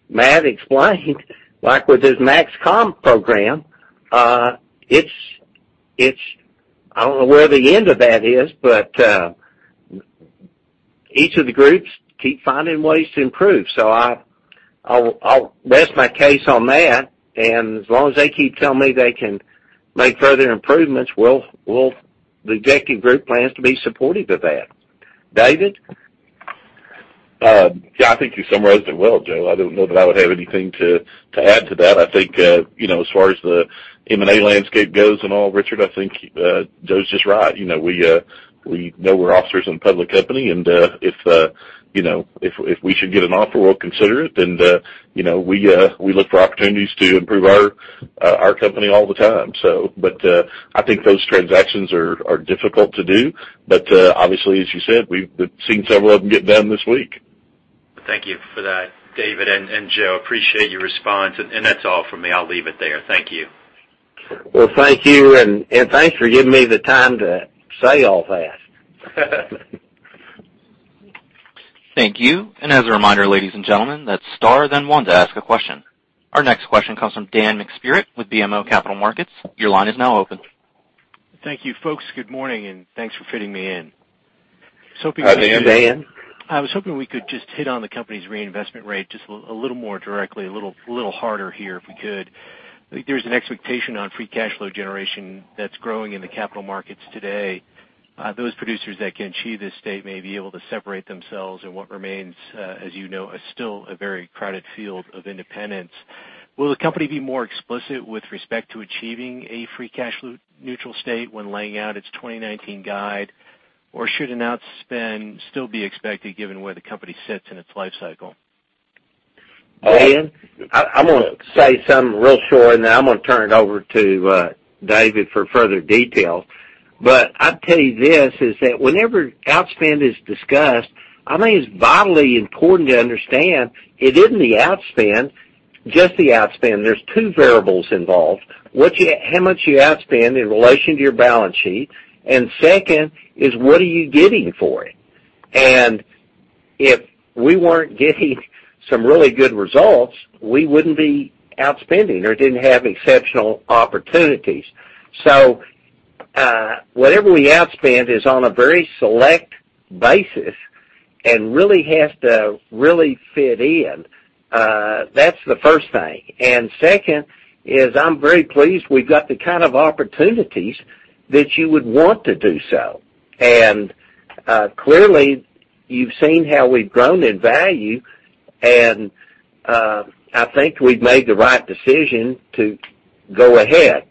Matt explained, like with his MAXCOM program. I don't know where the end of that is, but each of the groups keep finding ways to improve. I'll rest my case on that, and as long as they keep telling me they can make further improvements, the executive group plans to be supportive of that. David? Yeah, I think you summarized it well, Joe. I don't know that I would have anything to add to that. I think, as far as the M&A landscape goes and all, Richard, I think Joe's just right. We know we're officers in a public company, and if we should get an offer, we'll consider it, and we look for opportunities to improve our company all the time. But I think those transactions are difficult to do. Obviously, as you said, we've seen several of them get done this week. Thank you for that, David and Joe. Appreciate your response. That's all from me. I'll leave it there. Thank you. Well, thank you, and thanks for giving me the time to say all that. Thank you. As a reminder, ladies and gentlemen, that's star then one to ask a question. Our next question comes from Daniel McSpirit with BMO Capital Markets. Your line is now open. Thank you, folks. Good morning, thanks for fitting me in. Hi, Dan. I was hoping we could just hit on the company's reinvestment rate just a little more directly, a little harder here if we could. I think there's an expectation on free cash flow generation that's growing in the capital markets today. Those producers that can achieve this state may be able to separate themselves in what remains, as you know, is still a very crowded field of independents. Will the company be more explicit with respect to achieving a free cash flow neutral state when laying out its 2019 guide? Should an outspend still be expected given where the company sits in its life cycle? Dan, I'm going to say something real short. Then I'm going to turn it over to David for further details. I'll tell you this, is that whenever outspend is discussed, I think it's vitally important to understand it isn't the outspend, just the outspend. There's two variables involved. How much you outspend in relation to your balance sheet, and second is what are you getting for it? If we weren't getting some really good results, we wouldn't be outspending or didn't have exceptional opportunities. Whatever we outspend is on a very select basis and really has to really fit in. That's the first thing. Second is, I'm very pleased we've got the kind of opportunities that you would want to do so. Clearly, you've seen how we've grown in value, and I think we've made the right decision to go ahead.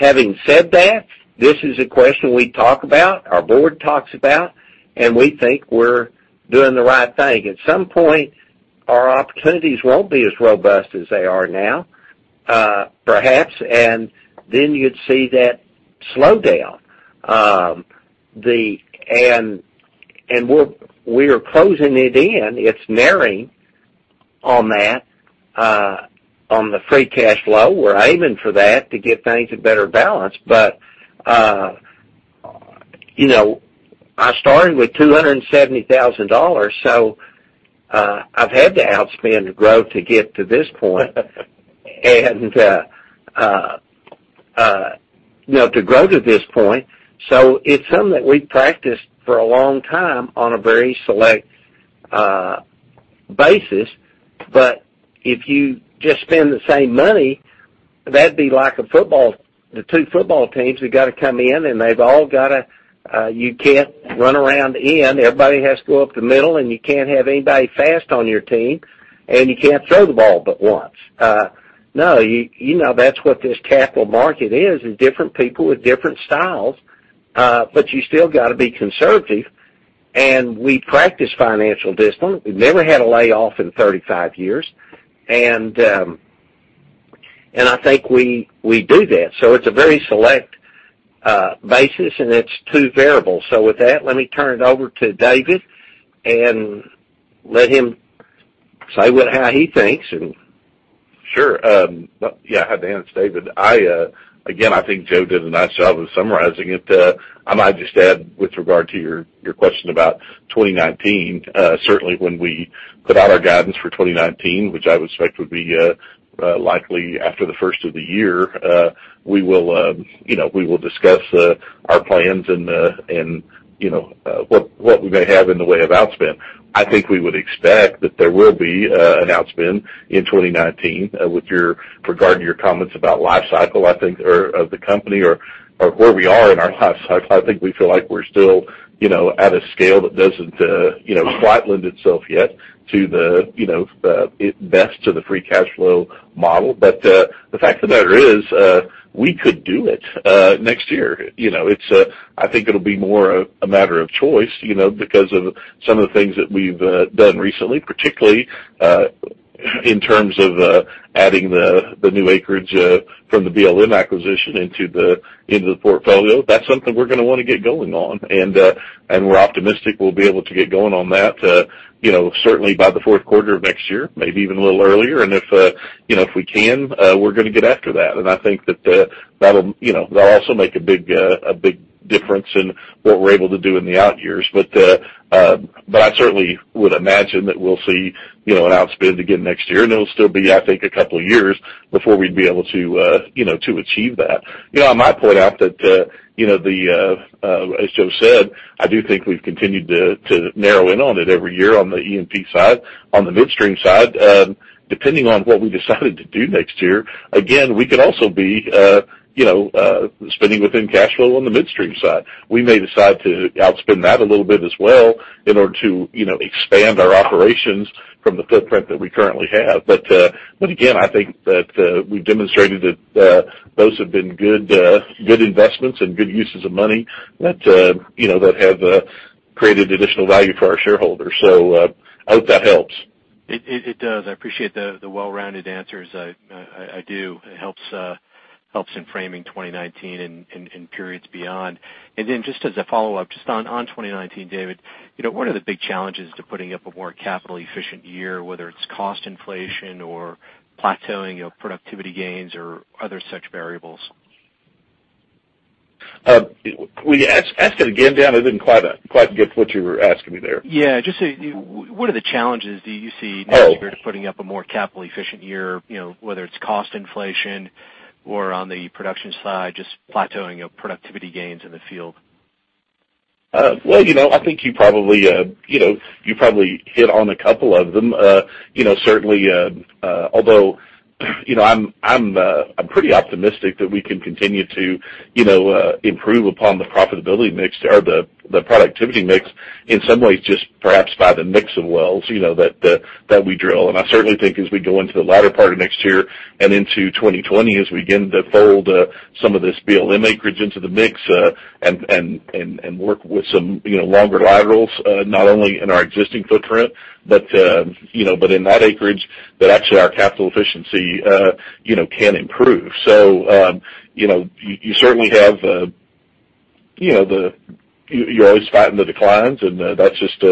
Having said that, this is a question we talk about, our board talks about, and we think we're doing the right thing. At some point, our opportunities won't be as robust as they are now, perhaps, and then you'd see that slow down. We are closing it in. It's narrowing on that, on the free cash flow. We're aiming for that to get things in better balance. I started with $270,000, so I've had to outspend the growth to get to this point and to grow to this point. It's something that we've practiced for a long time on a very select basis. If you just spend the same money, that'd be like the two football teams that got to come in, and they've all got to. You can't run around the end. Everybody has to go up the middle, and you can't have anybody fast on your team, and you can't throw the ball but once. You know that's what this capital market is different people with different styles. You still got to be conservative, and we practice financial discipline. We've never had a layoff in 35 years, and I think we do that. It's a very select basis, and it's too variable. With that, let me turn it over to David and let him say how he thinks. Sure. Yeah. Hi, Dan. It's David. Again, I think Joe did a nice job of summarizing it. I might just add with regard to your question about 2019. Certainly when we put out our guidance for 2019, which I would expect would be likely after the first of the year, we will discuss our plans and what we may have in the way of outspend. I think we would expect that there will be an outspend in 2019 with regarding your comments about life cycle, I think, or of the company or where we are in our life cycle. I think we feel like we're still at a scale that doesn't flatland itself yet to the best to the free cash flow model. The fact of the matter is, we could do it next year. I think it'll be more a matter of choice because of some of the things that we've done recently, particularly in terms of adding the new acreage from the BLM acquisition into the portfolio. That's something we're going to want to get going on, and we're optimistic we'll be able to get going on that certainly by the fourth quarter of next year, maybe even a little earlier. If we can, we're going to get after that. I think that that'll also make a big difference in what we're able to do in the out years. I certainly would imagine that we'll see an outspend again next year, and it'll still be, I think, a couple of years before we'd be able to achieve that. I might point out that as Joe said, I do think we've continued to narrow in on it every year on the E&P side. On the midstream side, depending on what we decided to do next year, again, we could also be spending within cash flow on the midstream side. We may decide to outspend that a little bit as well in order to expand our operations from the footprint that we currently have. Again, I think that we've demonstrated that those have been good investments and good uses of money that have created additional value for our shareholders. I hope that helps. It does. I appreciate the well-rounded answers. I do. It helps in framing 2019 and periods beyond. Then just as a follow-up, just on 2019, David, what are the big challenges to putting up a more capital-efficient year, whether it's cost inflation or plateauing of productivity gains or other such variables? Will you ask that again, Dan? I didn't quite get what you were asking me there. Yeah. Just what are the challenges do you see next year to putting up a more capital efficient year, whether it's cost inflation or on the production side, just plateauing of productivity gains in the field? Well, I think you probably hit on a couple of them. Certainly, although I'm pretty optimistic that we can continue to improve upon the profitability mix or the productivity mix in some ways just perhaps by the mix of wells that we drill. I certainly think as we go into the latter part of next year and into 2020, as we begin to fold some of this BLM acreage into the mix and work with some longer laterals, not only in our existing footprint but in that acreage, that actually our capital efficiency can improve. You always fighting the declines, and that's just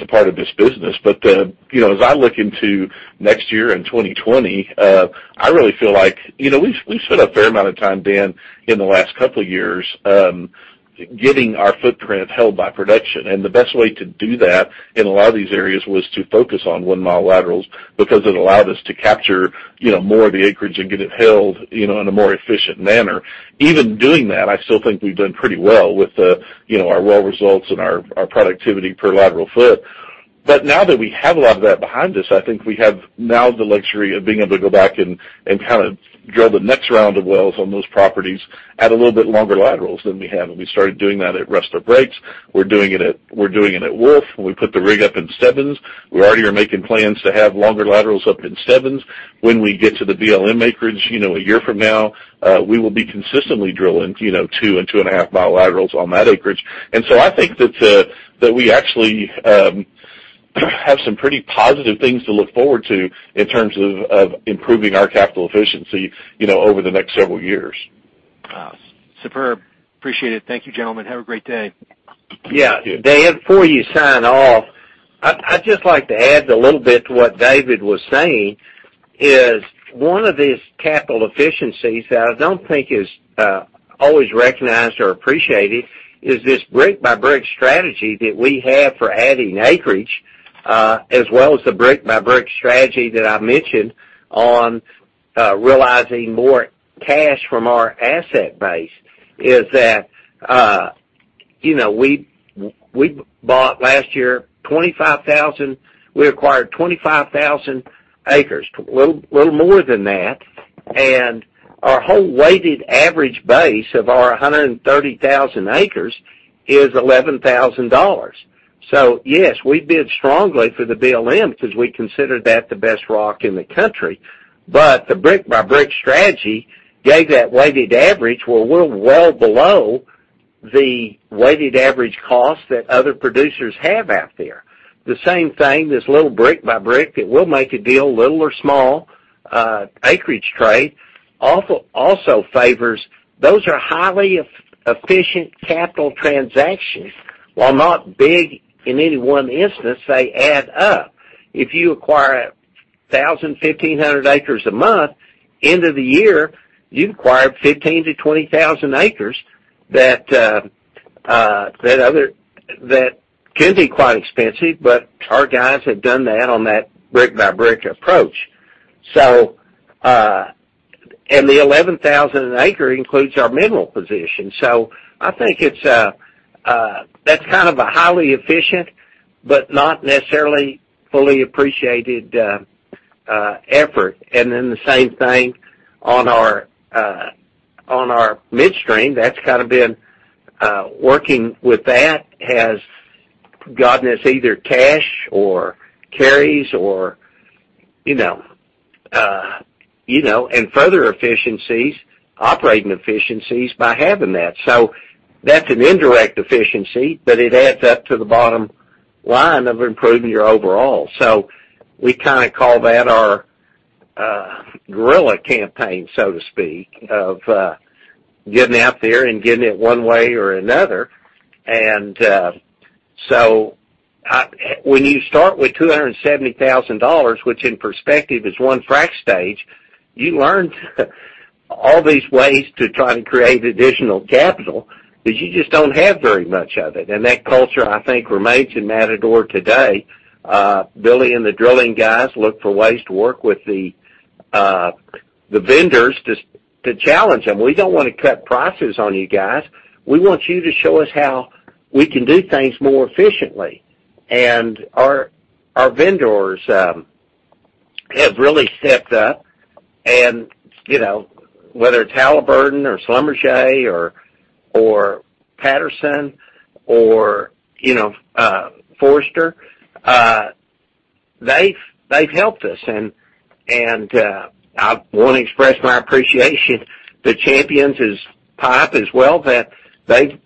a part of this business. As I look into next year and 2020, I really feel like we've spent a fair amount of time, Dan, in the last couple of years getting our footprint held by production. The best way to do that in a lot of these areas was to focus on one-mile laterals because it allowed us to capture more of the acreage and get it held in a more efficient manner. Even doing that, I still think we've done pretty well with our well results and our productivity per lateral foot. Now that we have a lot of that behind us, I think we have now the luxury of being able to go back and kind of drill the next round of wells on those properties. Add a little bit longer laterals than we have, and we started doing that at Rustler Breaks. We're doing it at Wolf, and we put the rig up in Seven. We already are making plans to have longer laterals up in Seven. When we get to the BLM acreage a year from now, we will be consistently drilling two and two and a half mile laterals on that acreage. I think that we actually have some pretty positive things to look forward to in terms of improving our capital efficiency over the next several years. Superb. Appreciate it. Thank you, gentlemen. Have a great day. Thank you. Dan, before you sign off, I'd just like to add a little bit to what David was saying, is one of these capital efficiencies that I don't think is always recognized or appreciated is this brick-by-brick strategy that we have for adding acreage, as well as the brick-by-brick strategy that I mentioned on realizing more cash from our asset base, is that we acquired 25,000 acres, a little more than that. Our whole weighted average base of our 130,000 acres is $11,000. Yes, we bid strongly for the BLM because we considered that the best rock in the country. The brick-by-brick strategy gave that weighted average, where we're well below the weighted average cost that other producers have out there. The same thing, this little brick-by-brick, that we'll make a deal, little or small acreage trade, also favors. Those are highly efficient capital transactions. While not big in any one instance, they add up. If you acquire 1,000, 1,500 acres a month, end of the year, you've acquired 15,000-20,000 acres. That can be quite expensive, our guys have done that on that brick-by-brick approach. The 11,000 an acre includes our mineral position. I think that's a highly efficient, but not necessarily fully appreciated effort. The same thing on our midstream, that's kind of been working with that has gotten us either cash or carries or further efficiencies, operating efficiencies by having that. That's an indirect efficiency, but it adds up to the bottom line of improving your overall. We call that our guerrilla campaign, so to speak, of getting out there and getting it one way or another. When you start with $270,000, which in perspective is 1 frac stage, you learn all these ways to try to create additional capital, because you just don't have very much of it. That culture, I think, remains in Matador today. Billy and the drilling guys look for ways to work with the vendors to challenge them. We don't want to cut prices on you guys. We want you to show us how we can do things more efficiently. Our vendors have really stepped up and, whether it's Halliburton or Schlumberger or Patterson or Forrester, they've helped us, and I want to express my appreciation to Champions as well, that they,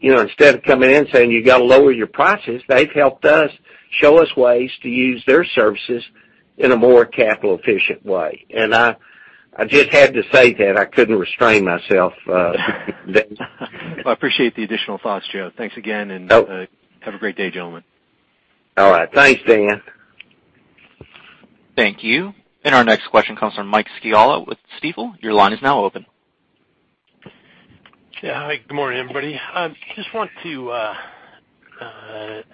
instead of coming in saying, "You got to lower your prices," they've helped us show us ways to use their services in a more capital efficient way. I just had to say that. I couldn't restrain myself. I appreciate the additional thoughts, Joe. Thanks again. Oh. Have a great day, gentlemen. All right. Thanks, Dan. Thank you. Our next question comes from Michael Scialla with Stifel. Your line is now open. Yeah. Hi, good morning, everybody. Just want to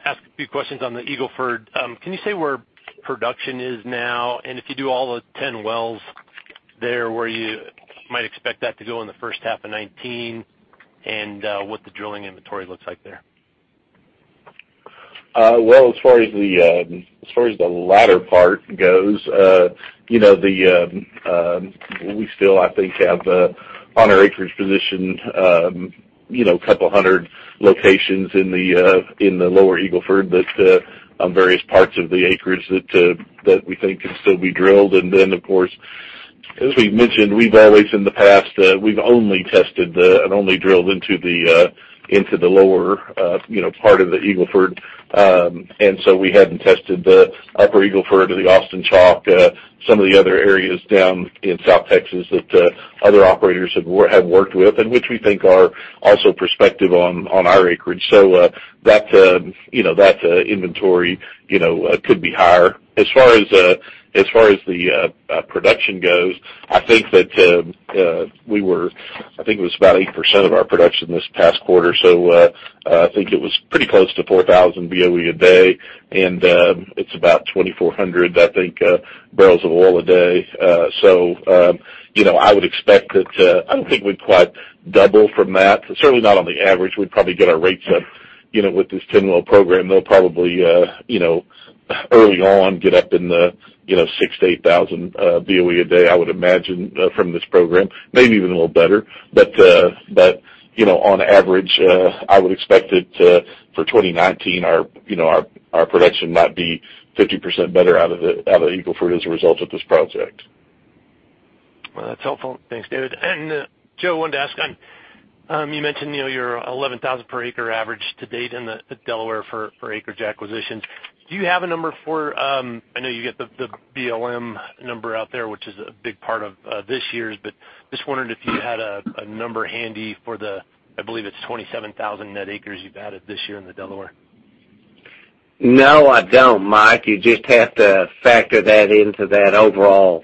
ask a few questions on the Eagle Ford. Can you say where production is now? If you do all the 10 wells there, where you might expect that to go in the first half of 2019, and what the drilling inventory looks like there? Well, as far as the latter part goes, we still, I think, have on our acreage position a couple hundred locations in the lower Eagle Ford that on various parts of the acreage that we think can still be drilled. Then, of course, as we've mentioned, we've always in the past, we've only tested the and only drilled into the lower part of the Eagle Ford. So we haven't tested the upper Eagle Ford or the Austin Chalk, some of the other areas down in South Texas that other operators have worked with, and which we think are also prospective on our acreage. That inventory could be higher. As far as the production goes, I think it was about 8% of our production this past quarter. I think it was pretty close to 4,000 BOE a day, and it's about 2,400, I think, barrels of oil a day. I don't think we'd quite double from that, certainly not on the average. We'd probably get our rates up. With this 10-well program, they'll probably early on get up in the 6,000-8,000 BOE a day, I would imagine, from this program. Maybe even a little better. On average, I would expect it to, for 2019, our production might be 50% better out of the Eagle Ford as a result of this project. Well, that's helpful. Thanks, David. Joe, wanted to ask on, you mentioned your 11,000 per acre average to date in the Delaware for acreage acquisitions. Do you have a number for. I know you got the BLM number out there, which is a big part of this year's, just wondered if you had a number handy for the, I believe it's 27,000 net acres you've added this year in the Delaware. No, I don't, Mike. You just have to factor that into that overall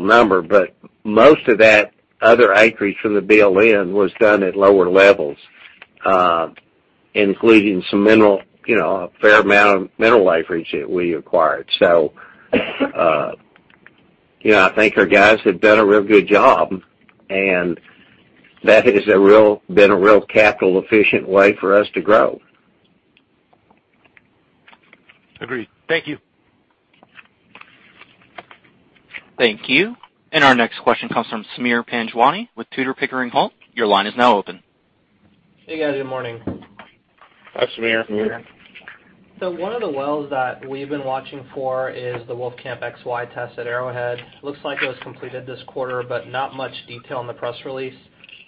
number. Most of that other acreage from the BLM was done at lower levels, including a fair amount of mineral acreage that we acquired. I think our guys have done a real good job, and that has been a real capital efficient way for us to grow. Agreed. Thank you. Thank you. Our next question comes from Sameer Panjwani with Tudor, Pickering, Holt. Your line is now open. Hey, guys. Good morning. Hi, Sameer. Hi. One of the wells that we've been watching for is the Wolfcamp XY test at Arrowhead. Looks like it was completed this quarter, but not much detail in the press release.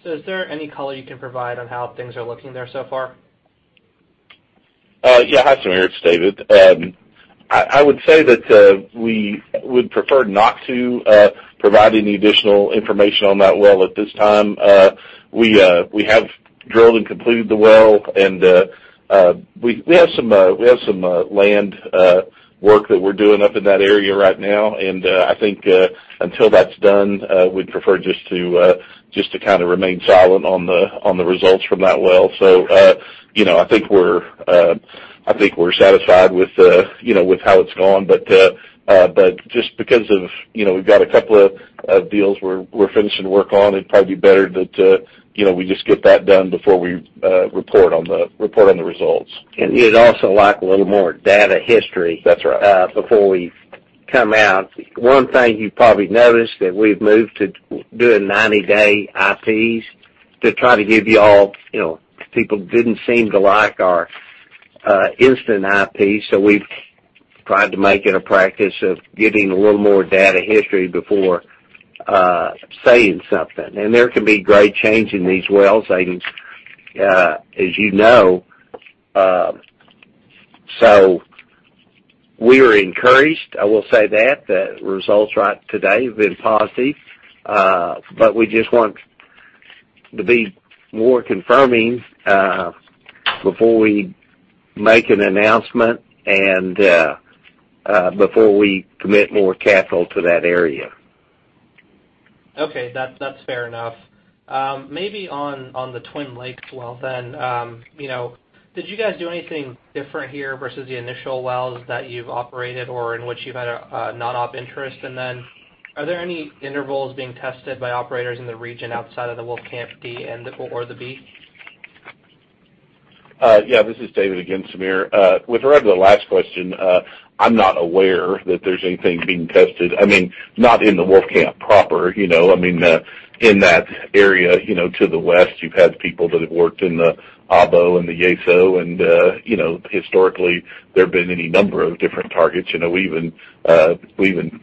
Is there any color you can provide on how things are looking there so far? Yeah. Hi, Sameer. It's David. I would say that we would prefer not to provide any additional information on that well at this time. We have drilled and completed the well. We have some land work that we're doing up in that area right now. I think, until that's done, we'd prefer just to kind of remain silent on the results from that well. I think we're satisfied with how it's gone. Just because of we've got a couple of deals we're finishing work on, it'd probably be better that we just get that done before we report on the results. We'd also like a little more data history. That's right before we come out. One thing you've probably noticed that we've moved to doing 90-day IPs to try to give you all. People didn't seem to like our instant IP, so we've tried to make it a practice of getting a little more data history before saying something. There can be great change in these wells, as you know. We are encouraged, I will say that, the results right today have been positive. We just want to be more confirming before we make an announcement and before we commit more capital to that area. Okay. That's fair enough. Maybe on the Twin Lakes well. Did you guys do anything different here versus the initial wells that you've operated or in which you've had a non-op interest? Are there any intervals being tested by operators in the region outside of the Wolfcamp D and/or the B? Yeah. This is David again, Sameer. With regard to the last question, I'm not aware that there's anything being tested. I mean, not in the Wolfcamp proper. In that area to the west, you've had people that have worked in the Abo and the Yeso, historically, there have been any number of different targets. We even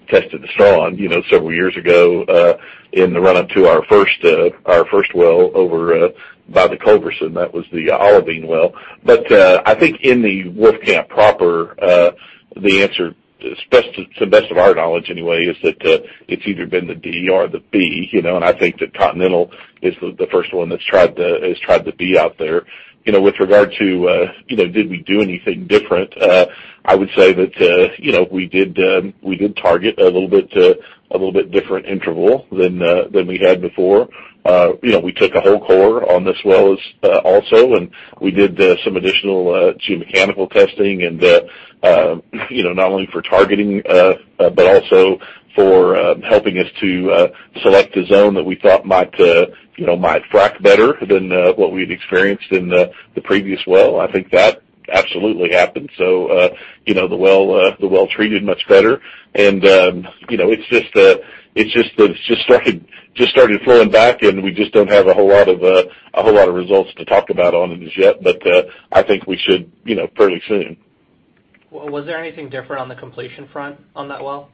tested the Strawn several years ago in the run-up to our first well over by the Culberson. That was the Olivine well. I think in the Wolfcamp proper, the answer, to the best of our knowledge anyway, is that it's either been the D or the B. I think that Continental is the first one that's tried the B out there. With regard to did we do anything different? I would say that we did target a little bit different interval than we had before. We took a whole core on this well also, we did some additional geomechanical testing and not only for targeting, but also for helping us to select a zone that we thought might frack better than what we'd experienced in the previous well. I think that absolutely happened. The well treated much better, it's just started flowing back, and we just don't have a whole lot of results to talk about on it as yet. I think we should fairly soon. Was there anything different on the completion front on that well?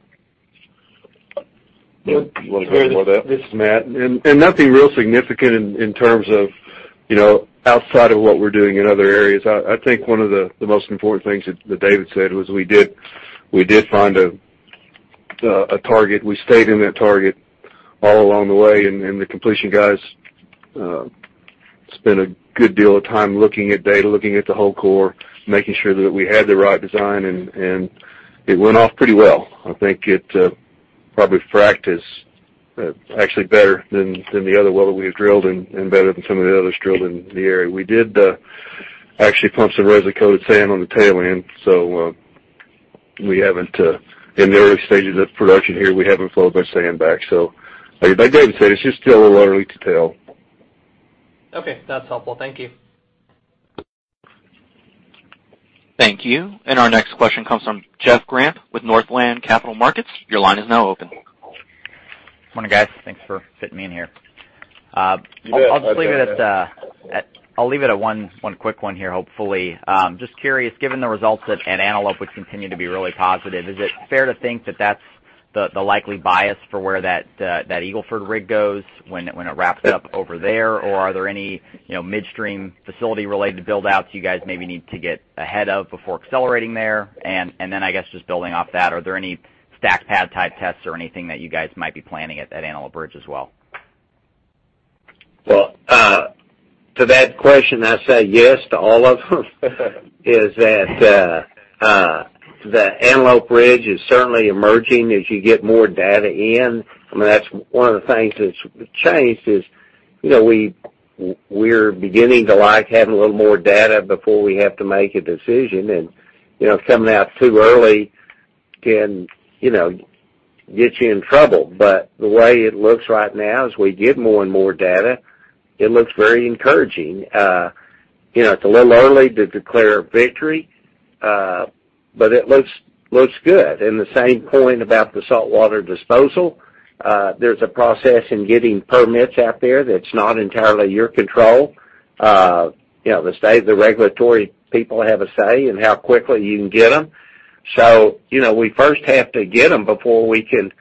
Matt, you want to handle that? This is Matt. Nothing real significant in terms of outside of what we're doing in other areas. I think one of the most important things that David said was we did find a target. We stayed in that target all along the way, and the completion guys spent a good deal of time looking at data, looking at the whole core, making sure that we had the right design, and it went off pretty well. I think it probably fracked actually better than the other well that we had drilled and better than some of the others drilled in the area. We did actually pump some resin-coated sand on the tail end. We haven't, in the early stages of production here, we haven't flowed back sand. Like David said, it's just still a little early to tell. Okay. That's helpful. Thank you. Thank you. Our next question comes from Jeff Grant with Northland Capital Markets. Your line is now open. Morning, guys. Thanks for fitting me in here. You bet. I'll leave it at one quick one here, hopefully. Just curious, given the results at Antelope, which continue to be really positive, is it fair to think that that's the likely bias for where that Eagle Ford rig goes when it wraps up over there? Are there any midstream facility related build-outs you guys maybe need to get ahead of before accelerating there? I guess, just building off that, are there any stack pad type tests or anything that you guys might be planning at Antelope Ridge as well? Well, to that question, I say yes to all of them. The Antelope Ridge is certainly emerging as you get more data in. I mean, that's one of the things that's changed is, we're beginning to like having a little more data before we have to make a decision and, coming out too early can get you in trouble. The way it looks right now, as we get more and more data, it looks very encouraging. It's a little early to declare victory, but it looks good. The same point about the saltwater disposal. There's a process in getting permits out there that's not entirely your control. The state, the regulatory people have a say in how quickly you can get them. We first have to get them before we can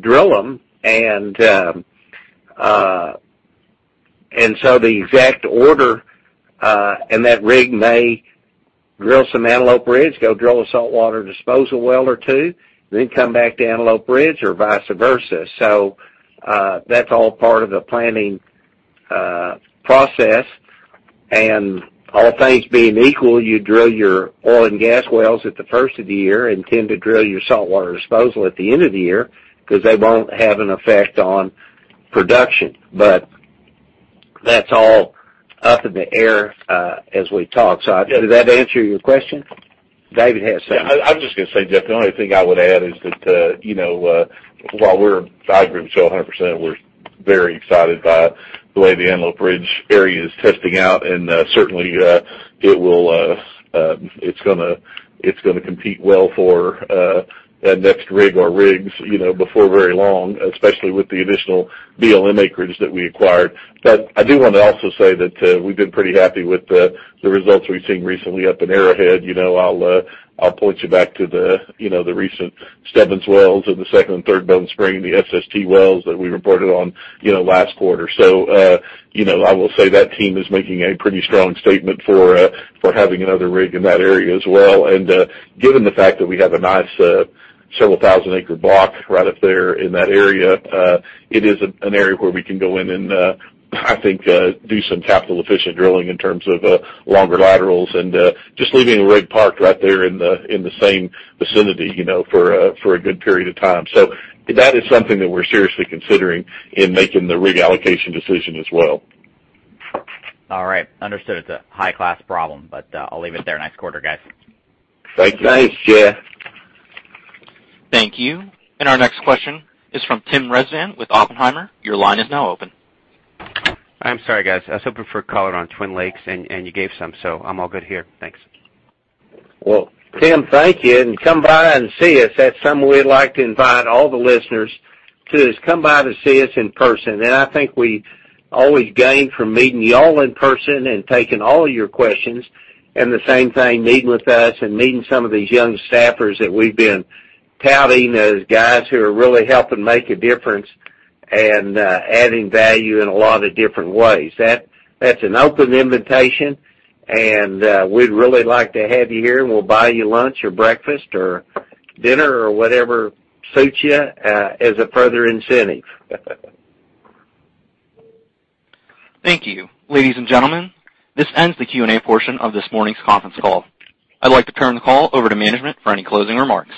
drill them. The exact order, that rig may drill some Antelope Ridge, go drill a saltwater disposal well or two, then come back to Antelope Ridge or vice versa. That's all part of the planning process. All things being equal, you drill your oil and gas wells at the first of the year and tend to drill your saltwater disposal at the end of the year because they won't have an effect on production. That's all up in the air, as we talk. Did that answer your question? David has something. Yeah. I was just gonna say, Jeff, the only thing I would add is that, while we're-- I agree with Joe 100%, we're very excited by the way the Antelope Ridge area is testing out, and certainly, it's gonna compete well for that next rig or rigs before very long, especially with the additional BLM acreage that we acquired. I do want to also say that we've been pretty happy with the results we've seen recently up in Arrowhead. I'll point you back to the recent Stebbins wells and the second and third Bone Spring and the SST wells that we reported on last quarter. I will say that team is making a pretty strong statement for having another rig in that area as well. Given the fact that we have a nice several-thousand-acre block right up there in that area, it is an area where we can go in and, I think, do some capital efficient drilling in terms of longer laterals and just leaving a rig parked right there in the same vicinity for a good period of time. That is something that we're seriously considering in making the rig allocation decision as well. All right. Understood. It's a high-class problem, but I'll leave it there. Nice quarter, guys. Thanks, Jeff. Thank you. Our next question is from Tim Rezvan with Oppenheimer. Your line is now open. I'm sorry, guys. I was hoping for color on Twin Lakes, and you gave some, so I'm all good here. Thanks. Well, Tim, thank you. Come by and see us. That's something we'd like to invite all the listeners to, is come by to see us in person. I think we always gain from meeting you all in person and taking all your questions. The same thing, meeting with us and meeting some of these young staffers that we've been touting as guys who are really helping make a difference and adding value in a lot of different ways. That's an open invitation, and we'd really like to have you here, and we'll buy you lunch or breakfast or dinner or whatever suits you as a further incentive. Thank you. Ladies and gentlemen, this ends the Q&A portion of this morning's conference call. I'd like to turn the call over to management for any closing remarks.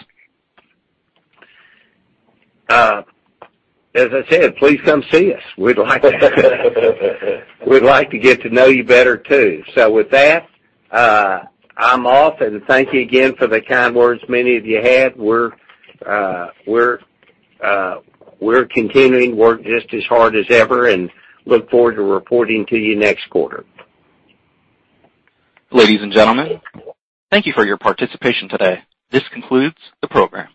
As I said, please come see us. We'd like that. We'd like to get to know you better, too. With that, I'm off, and thank you again for the kind words many of you had. We're continuing to work just as hard as ever and look forward to reporting to you next quarter. Ladies and gentlemen, thank you for your participation today. This concludes the program.